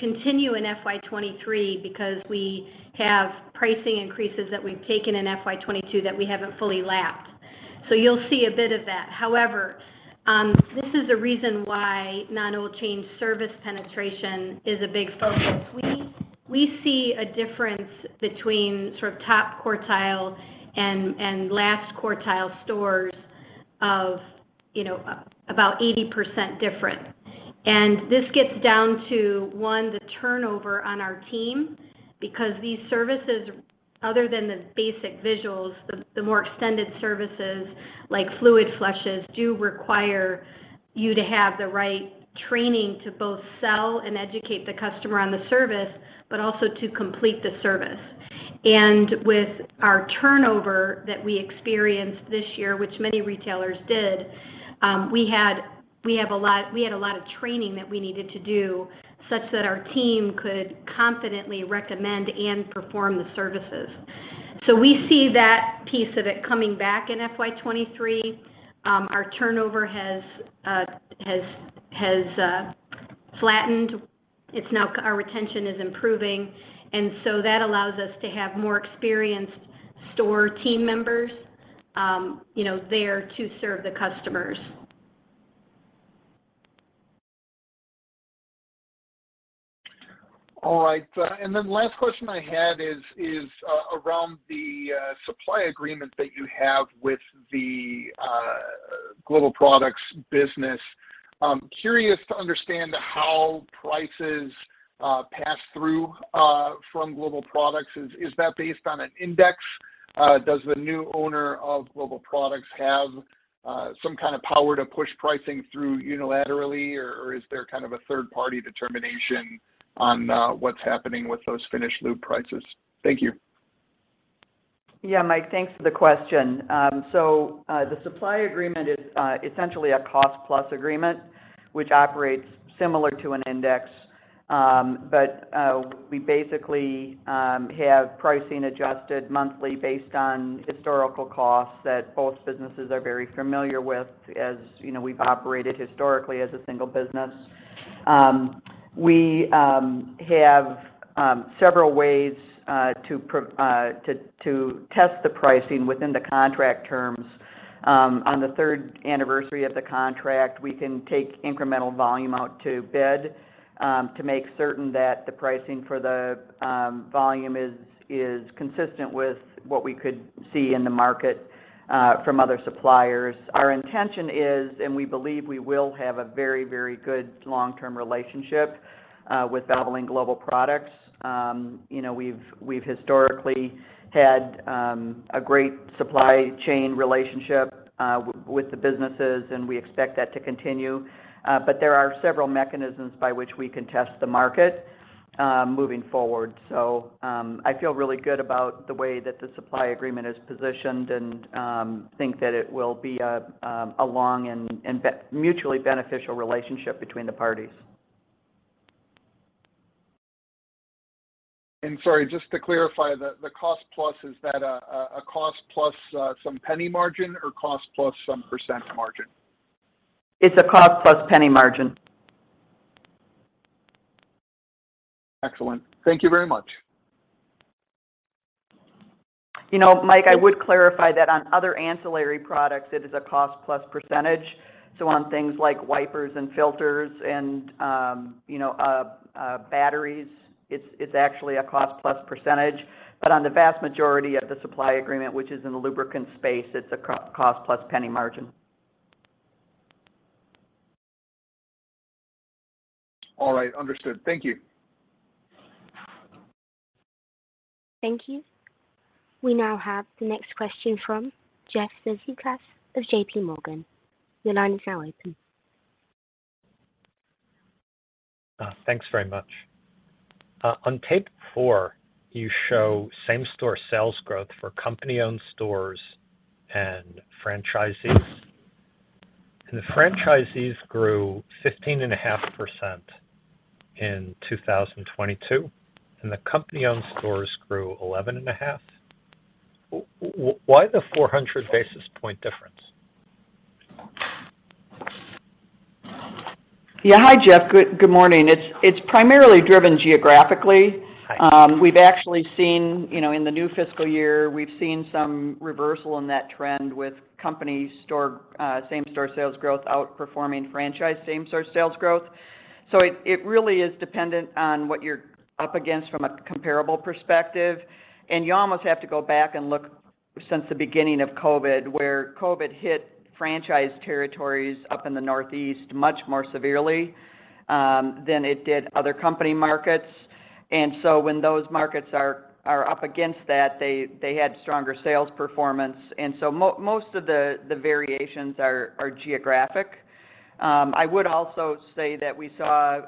will continue in FY 2023 because we have pricing increases that we've taken in FY 2022 that we haven't fully lapped. You'll see a bit of that. However, this is a reason why non-oil change service penetration is a big focus. We see a difference between sort of top quartile and last quartile stores of about 80% different. This gets down to one, the turnover on our team because these services, other than the basic visuals, the more extended services like fluid flushes do require you to have the right training to both sell and educate the customer on the service, but also to complete the service. With our turnover that we experienced this year, which many retailers did, we had a lot of training that we needed to do such that our team could confidently recommend and perform the services. We see that piece of it coming back in FY 2023. Our turnover has flattened. Our retention is improving and so that allows us to have more experienced store team members, you know, there to serve the customers. All right. Last question I had is around the supply agreement that you have with the Global Products business. Curious to understand how prices pass through from Global Products. Is that based on an index? Does the new owner of Global Products have some kind of power to push pricing through unilaterally, or is there kind of a third-party determination on what's happening with those finished lube prices? Thank you. Yeah, Mike, thanks for the question. The supply agreement is essentially a cost-plus agreement, which operates similar to an index. We basically have pricing adjusted monthly based on historical costs that both businesses are very familiar with as, you know, we've operated historically as a single business. We have several ways to test the pricing within the contract terms. On the third anniversary of the contract, we can take incremental volume out to bid to make certain that the pricing for the volume is consistent with what we could see in the market from other suppliers. Our intention is, and we believe we will have a very, very good long-term relationship with Valvoline Global Products. You know, we've historically had a great supply chain relationship with the businesses, and we expect that to continue. There are several mechanisms by which we can test the market moving forward. I feel really good about the way that the supply agreement is positioned and think that it will be a long and mutually beneficial relationship between the parties. Sorry, just to clarify, the cost plus. Is that a cost plus some penny margin or cost plus some percent margin? It's a cost plus penny margin. Excellent. Thank you very much. You know, Mike, I would clarify that on other ancillary products, it is a cost plus percentage. On things like wipers and filters and, you know, batteries, it's actually a cost plus percentage. On the vast majority of the supply agreement, which is in the lubricant space, it's a cost plus penny margin. All right. Understood. Thank you. Thank you. We now have the next question from Jeff Zekauskas of JPMorgan. Your line is now open. Thanks very much. On page four, you show same-store sales growth for company-owned stores and franchisees. The franchisees grew 15.5% in 2022, and the company-owned stores grew 11.5%. Why the 400 basis point difference? Yeah. Hi, Jeff. Good morning. It's primarily driven geographically. Thanks. We've actually seen, you know, in the new fiscal year, we've seen some reversal in that trend with company store same-store sales growth outperforming franchise same-store sales growth. It really is dependent on what you're up against from a comparable perspective. You almost have to go back and look since the beginning of COVID, where COVID hit franchise territories up in the Northeast much more severely than it did other company markets. When those markets are up against that, they had stronger sales performance. Most of the variations are geographic. I would also say that we saw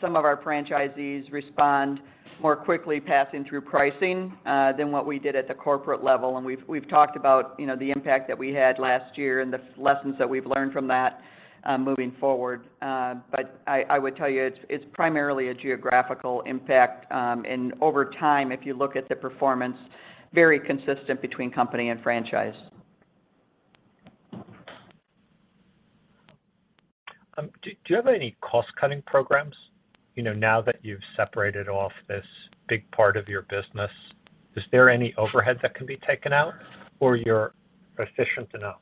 some of our franchisees respond more quickly, passing through pricing than what we did at the corporate level. We've talked about, you know, the impact that we had last year and the lessons that we've learned from that, moving forward. I would tell you it's primarily a geographical impact, and over time, if you look at the performance, very consistent between company and franchise. Do you have any cost-cutting programs? You know, now that you've separated off this big part of your business, is there any overhead that can be taken out or you're efficient enough?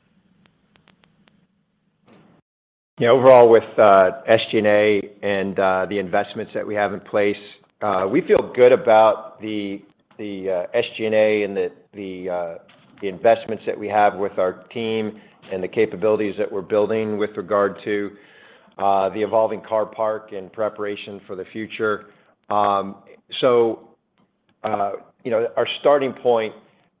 Yeah. Overall with SG&A and the investments that we have in place, we feel good about the SG&A and the investments that we have with our team and the capabilities that we're building with regard to the evolving car park in preparation for the future. So, you know, our starting point,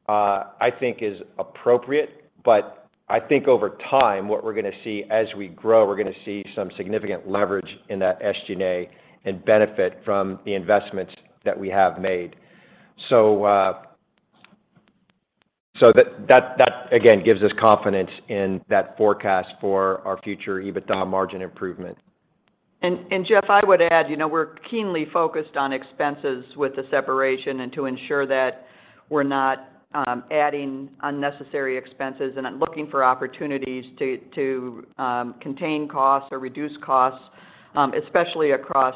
I think is appropriate, but I think over time, what we're gonna see as we grow, we're gonna see some significant leverage in that SG&A and benefit from the investments that we have made. So, that again gives us confidence in that forecast for our future EBITDA margin improvement. And Jeff, I would add, you know, we're keenly focused on expenses with the separation and to ensure that we're not adding unnecessary expenses and are looking for opportunities to contain costs or reduce costs, especially across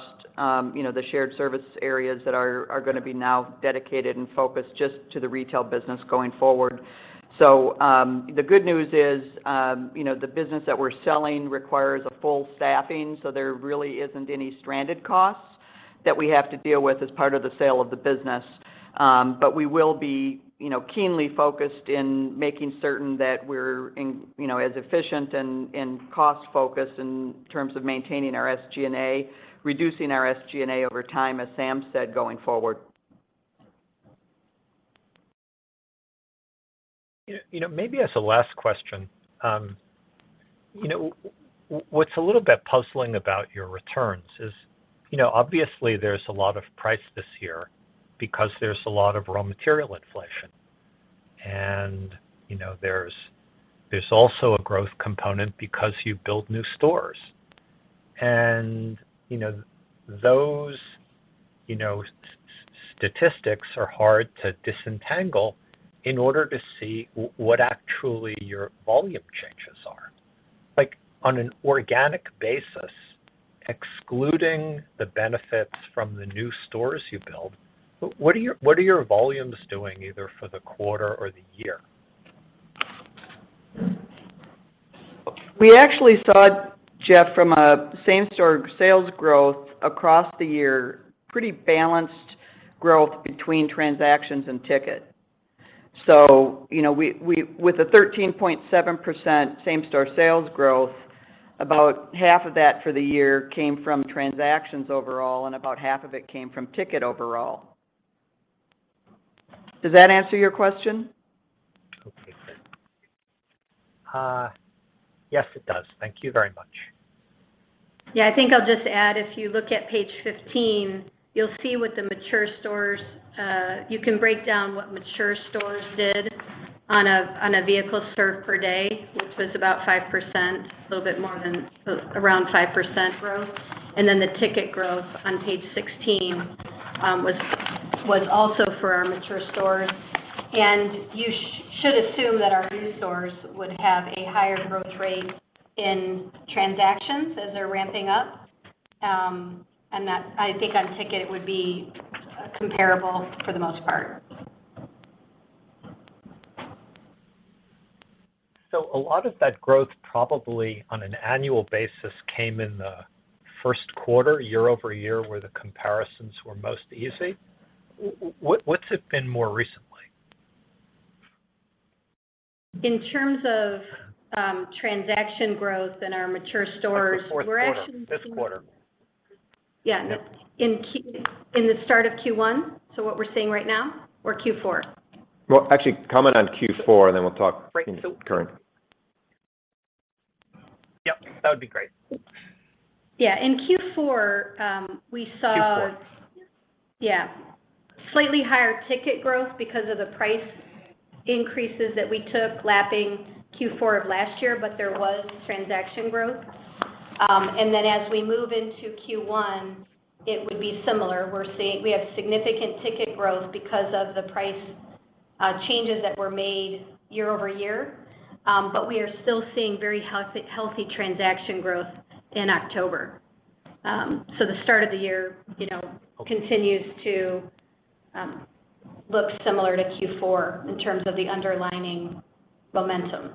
you know, the shared service areas that are gonna be now dedicated and focused just to the retail business going forward. The good news is, you know, the business that we're selling requires a full staffing, so there really isn't any stranded costs. That we have to deal with as part of the sale of the business. We will be, you know, keenly focused in making certain that we're in, you know, as efficient and cost-focused in terms of maintaining our SG&A, reducing our SG&A over time, as Sam said, going forward. You know, maybe as a last question. You know, what's a little bit puzzling about your returns is, you know, obviously there's a lot of price this year because there's a lot of raw material inflation. You know, there's also a growth component because you build new stores. You know, those statistics are hard to disentangle in order to see what actually your volume changes are. Like, on an organic basis, excluding the benefits from the new stores you build, what are your volumes doing either for the quarter or the year? We actually saw, Jeff, from a same-store sales growth across the year, pretty balanced growth between transactions and ticket. You know, we with a 13.7% same-store sales growth, about half of that for the year came from transactions overall, and about half of it came from ticket overall. Does that answer your question? Okay, good. Yes, it does. Thank you very much. Yeah. I think I'll just add, if you look at page 15, you'll see with the mature stores, you can break down what mature stores did on a vehicles served per day, which was about 5%, a little bit more than around 5% growth. Then the ticket growth on page 16 was also for our mature stores. You should assume that our new stores would have a higher growth rate in transactions as they're ramping up. That I think on ticket would be comparable for the most part. A lot of that growth probably on an annual basis came in the first quarter, year-over-year, where the comparisons were most easy. What's it been more recently? In terms of transaction growth in our mature stores, we're actually Like the fourth quarter. This quarter. Yeah. In the start of Q1? So what we're seeing right now or Q4? Well, actually comment on Q4, and then we'll talk current. Yep. That would be great. Yeah. In Q4, we saw. Q4. Yeah. Slightly higher ticket growth because of the price increases that we took lapping Q4 of last year, but there was transaction growth. As we move into Q1, it would be similar. We have significant ticket growth because of the price changes that were made year-over-year. We are still seeing very healthy transaction growth in October. The start of the year, you know, continues to look similar to Q4 in terms of the underlying momentum.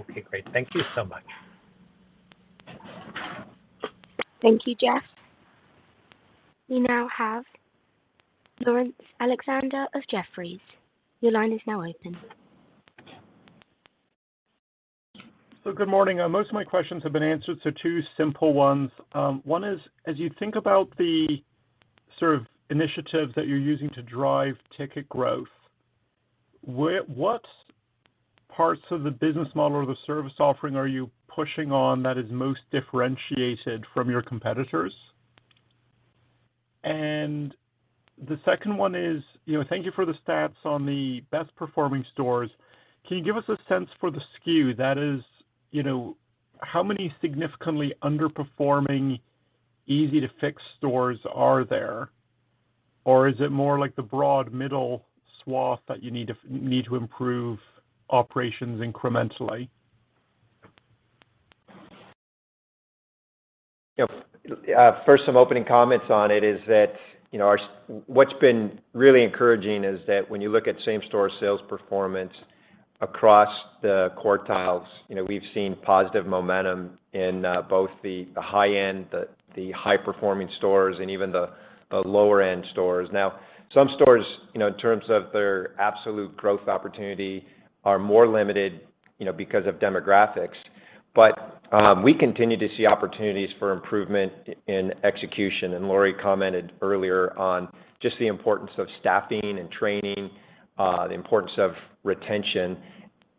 Okay, great. Thank you so much. Thank you, Jeff. We now have Laurence Alexander of Jefferies. Your line is now open. Good morning. Most of my questions have been answered, so two simple ones. One is, as you think about the sort of initiatives that you're using to drive ticket growth, what parts of the business model or the service offering are you pushing on that is most differentiated from your competitors? And the second one is, you know, thank you for the stats on the best performing stores. Can you give us a sense for the skew, that is, you know, how many significantly underperforming easy-to-fix stores are there? Or is it more like the broad middle swath that you need to improve operations incrementally? Yeah. First, some opening comments on it is that, you know, what's been really encouraging is that when you look at same-store sales performance across the quartiles, you know, we've seen positive momentum in both the high-end, the high-performing stores and even the lower-end stores. Some stores, you know, in terms of their absolute growth opportunity are more limited, you know, because of demographics. We continue to see opportunities for improvement in execution. Lori commented earlier on just the importance of staffing and training, the importance of retention,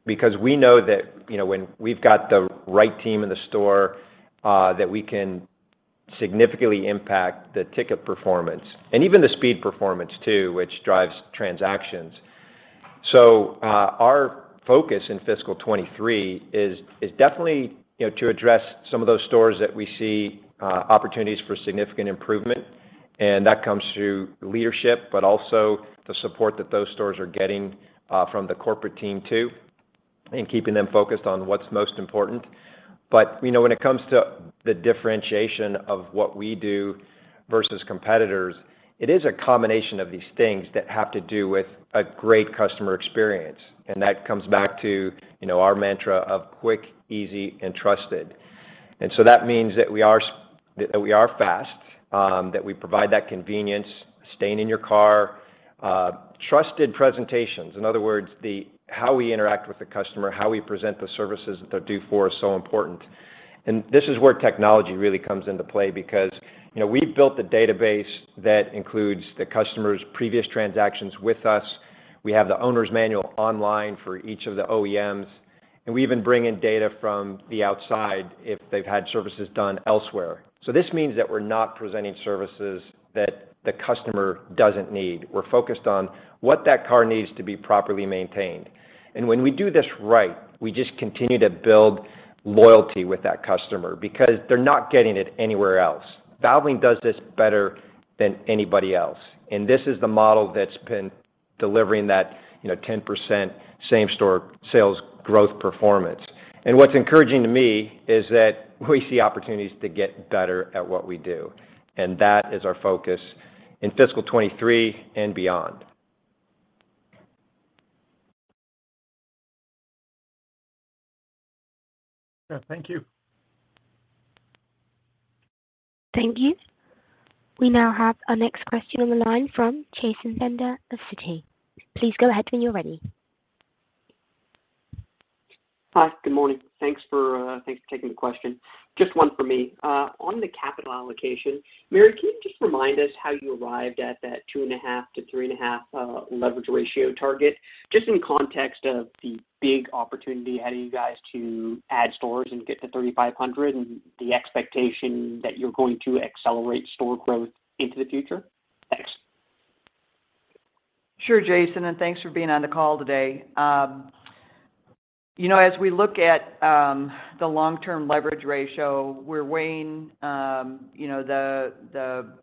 because we know that, you know, when we've got the right team in the store, that we can significantly impact the ticket performance and even the speed performance too, which drives transactions. Our focus in fiscal 2023 is definitely, you know, to address some of those stores that we see opportunities for significant improvement. That comes through leadership, but also the support that those stores are getting from the corporate team too, and keeping them focused on what's most important. You know, when it comes to the differentiation of what we do versus competitors, it is a combination of these things that have to do with a great customer experience. That comes back to, you know, our mantra of quick, easy, and trusted. That means that we are. That we are fast, that we provide that convenience, staying in your car. Trusted presentations, in other words, the how we interact with the customer, how we present the services that they're due for is so important. This is where technology really comes into play because, you know, we've built the database that includes the customer's previous transactions with us, we have the owner's manual online for each of the OEMs, and we even bring in data from the outside if they've had services done elsewhere. This means that we're not presenting services that the customer doesn't need. We're focused on what that car needs to be properly maintained. When we do this right, we just continue to build loyalty with that customer because they're not getting it anywhere else. Valvoline does this better than anybody else, and this is the model that's been delivering that, you know, 10% same store sales growth performance. What's encouraging to me is that we see opportunities to get better at what we do, and that is our focus in fiscal 2023 and beyond. Yeah, thank you. Thank you. We now have our next question on the line from Chasen Bender of Citi. Please go ahead when you're ready. Hi. Good morning. Thanks for taking the question. Just one for me. On the capital allocation, Mary, can you just remind us how you arrived at that 2.5-3.5 leverage ratio target, just in context of the big opportunity heading you guys to add stores and get to 3,500 and the expectation that you're going to accelerate store growth into the future? Thanks. Sure, Chasen, and thanks for being on the call today. You know, as we look at the long-term leverage ratio, we're weighing you know, the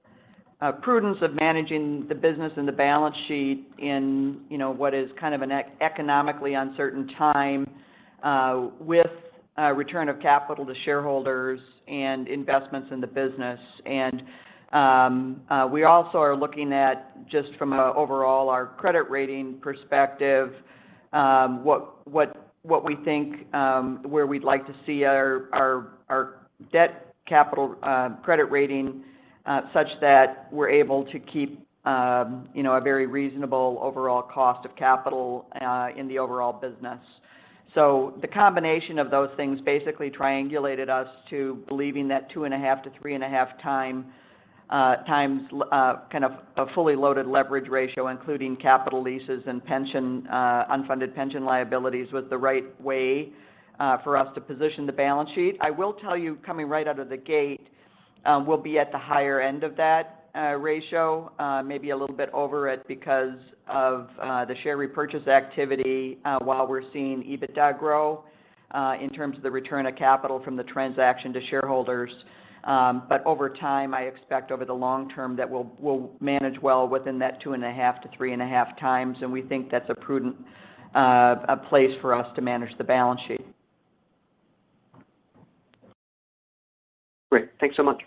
prudence of managing the business and the balance sheet in you know, what is kind of an economically uncertain time with return of capital to shareholders and investments in the business. We also are looking at just from an overall our credit rating perspective what we think where we'd like to see our debt-to-capital credit rating such that we're able to keep you know, a very reasonable overall cost of capital in the overall business. The combination of those things basically triangulated us to believing that 2.5x-3.5x kind of a fully loaded leverage ratio, including capital leases and pension unfunded pension liabilities, was the right way for us to position the balance sheet. I will tell you, coming right out of the gate, we'll be at the higher end of that ratio, maybe a little bit over it because of the share repurchase activity while we're seeing EBITDA grow in terms of the return of capital from the transaction to shareholders. Over time, I expect over the long term that we'll manage well within that 2.5x-3.5x, and we think that's a prudent place for us to manage the balance sheet. Great. Thanks so much.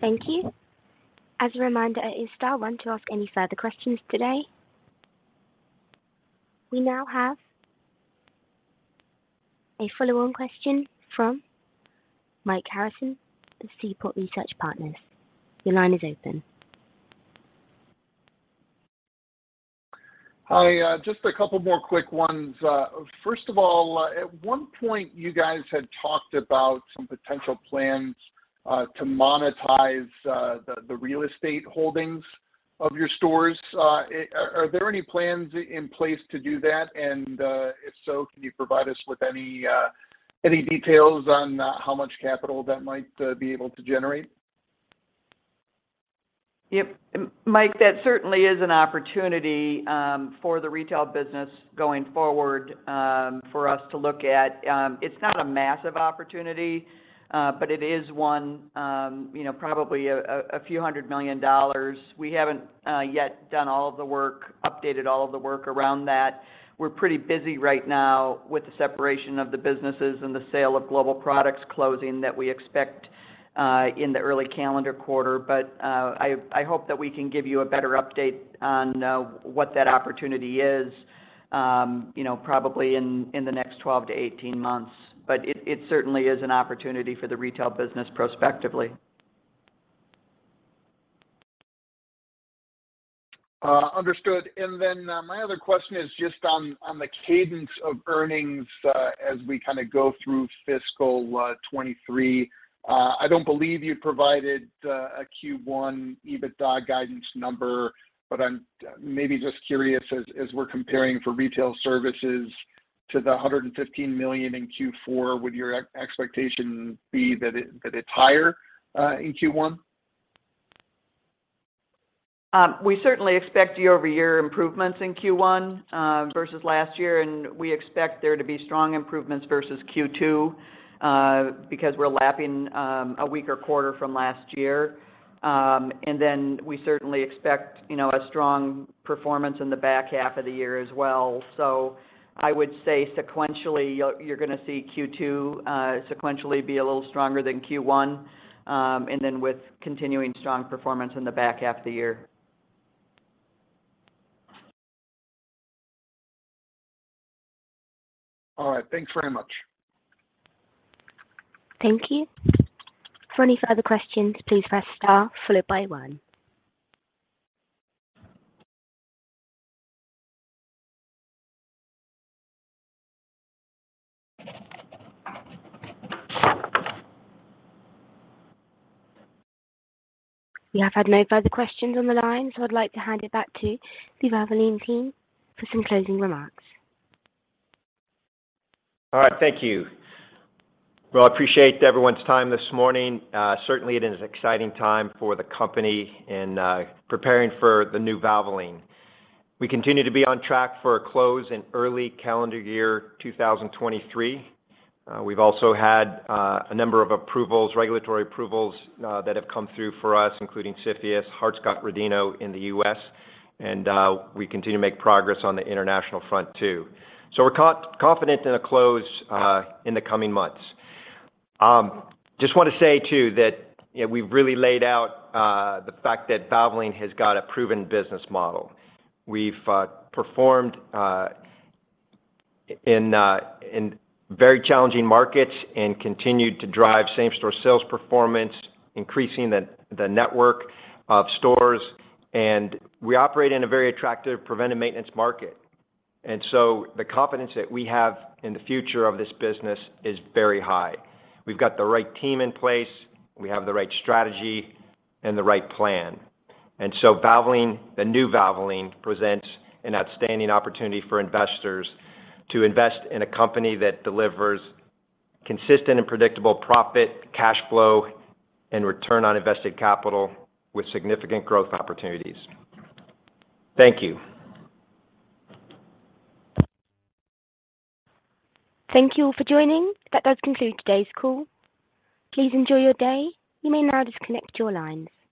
Thank you. As a reminder, it is star one to ask any further questions today. We now have a follow-on question from Mike Harrison of Seaport Research Partners. Your line is open. Hi, just a couple more quick ones. First of all, at one point you guys had talked about some potential plans to monetize the real estate holdings of your stores. Are there any plans in place to do that? If so, can you provide us with any details on how much capital that might be able to generate? Yep. Mike, that certainly is an opportunity for the retail business going forward for us to look at. It's not a massive opportunity, but it is one, you know, probably a few hundred million dollars. We haven't yet done all of the work, updated all of the work around that. We're pretty busy right now with the separation of the businesses and the sale of Global Products closing that we expect in the early calendar quarter. I hope that we can give you a better update on what that opportunity is, you know, probably in the next 12 months-18 months. It certainly is an opportunity for the retail business prospectively. Understood. My other question is just on the cadence of earnings as we kinda go through fiscal 2023. I don't believe you provided a Q1 EBITDA guidance number, but I'm maybe just curious as we're comparing for Retail Services to the $115 million in Q4, would your expectation be that it's higher in Q1? We certainly expect year-over-year improvements in Q1, versus last year, and we expect there to be strong improvements versus Q2, because we're lapping a weaker quarter from last year. Then we certainly expect, you know, a strong performance in the back half of the year as well. I would say sequentially, you're gonna see Q2 sequentially be a little stronger than Q1, and then with continuing strong performance in the back half of the year. All right. Thanks very much. Thank you. For any further questions, please press star followed by one. We have had no further questions on the line, so I'd like to hand it back to the Valvoline team for some closing remarks. All right. Thank you. Well, I appreciate everyone's time this morning. Certainly it is an exciting time for the company in preparing for the new Valvoline. We continue to be on track for a close in early calendar year 2023. We've also had a number of approvals, regulatory approvals, that have come through for us, including CFIUS, Hart-Scott-Rodino in the U.S., and we continue to make progress on the international front too. We're confident in a close in the coming months. Just wanna say too that we've really laid out the fact that Valvoline has got a proven business model. We've performed in very challenging markets and continued to drive same-store sales performance, increasing the network of stores, and we operate in a very attractive preventive maintenance market. The confidence that we have in the future of this business is very high. We've got the right team in place, we have the right strategy and the right plan. Valvoline, the new Valvoline, presents an outstanding opportunity for investors to invest in a company that delivers consistent and predictable profit, cash flow, and return on invested capital with significant growth opportunities. Thank you. Thank you all for joining. That does conclude today's call. Please enjoy your day. You may now disconnect your lines.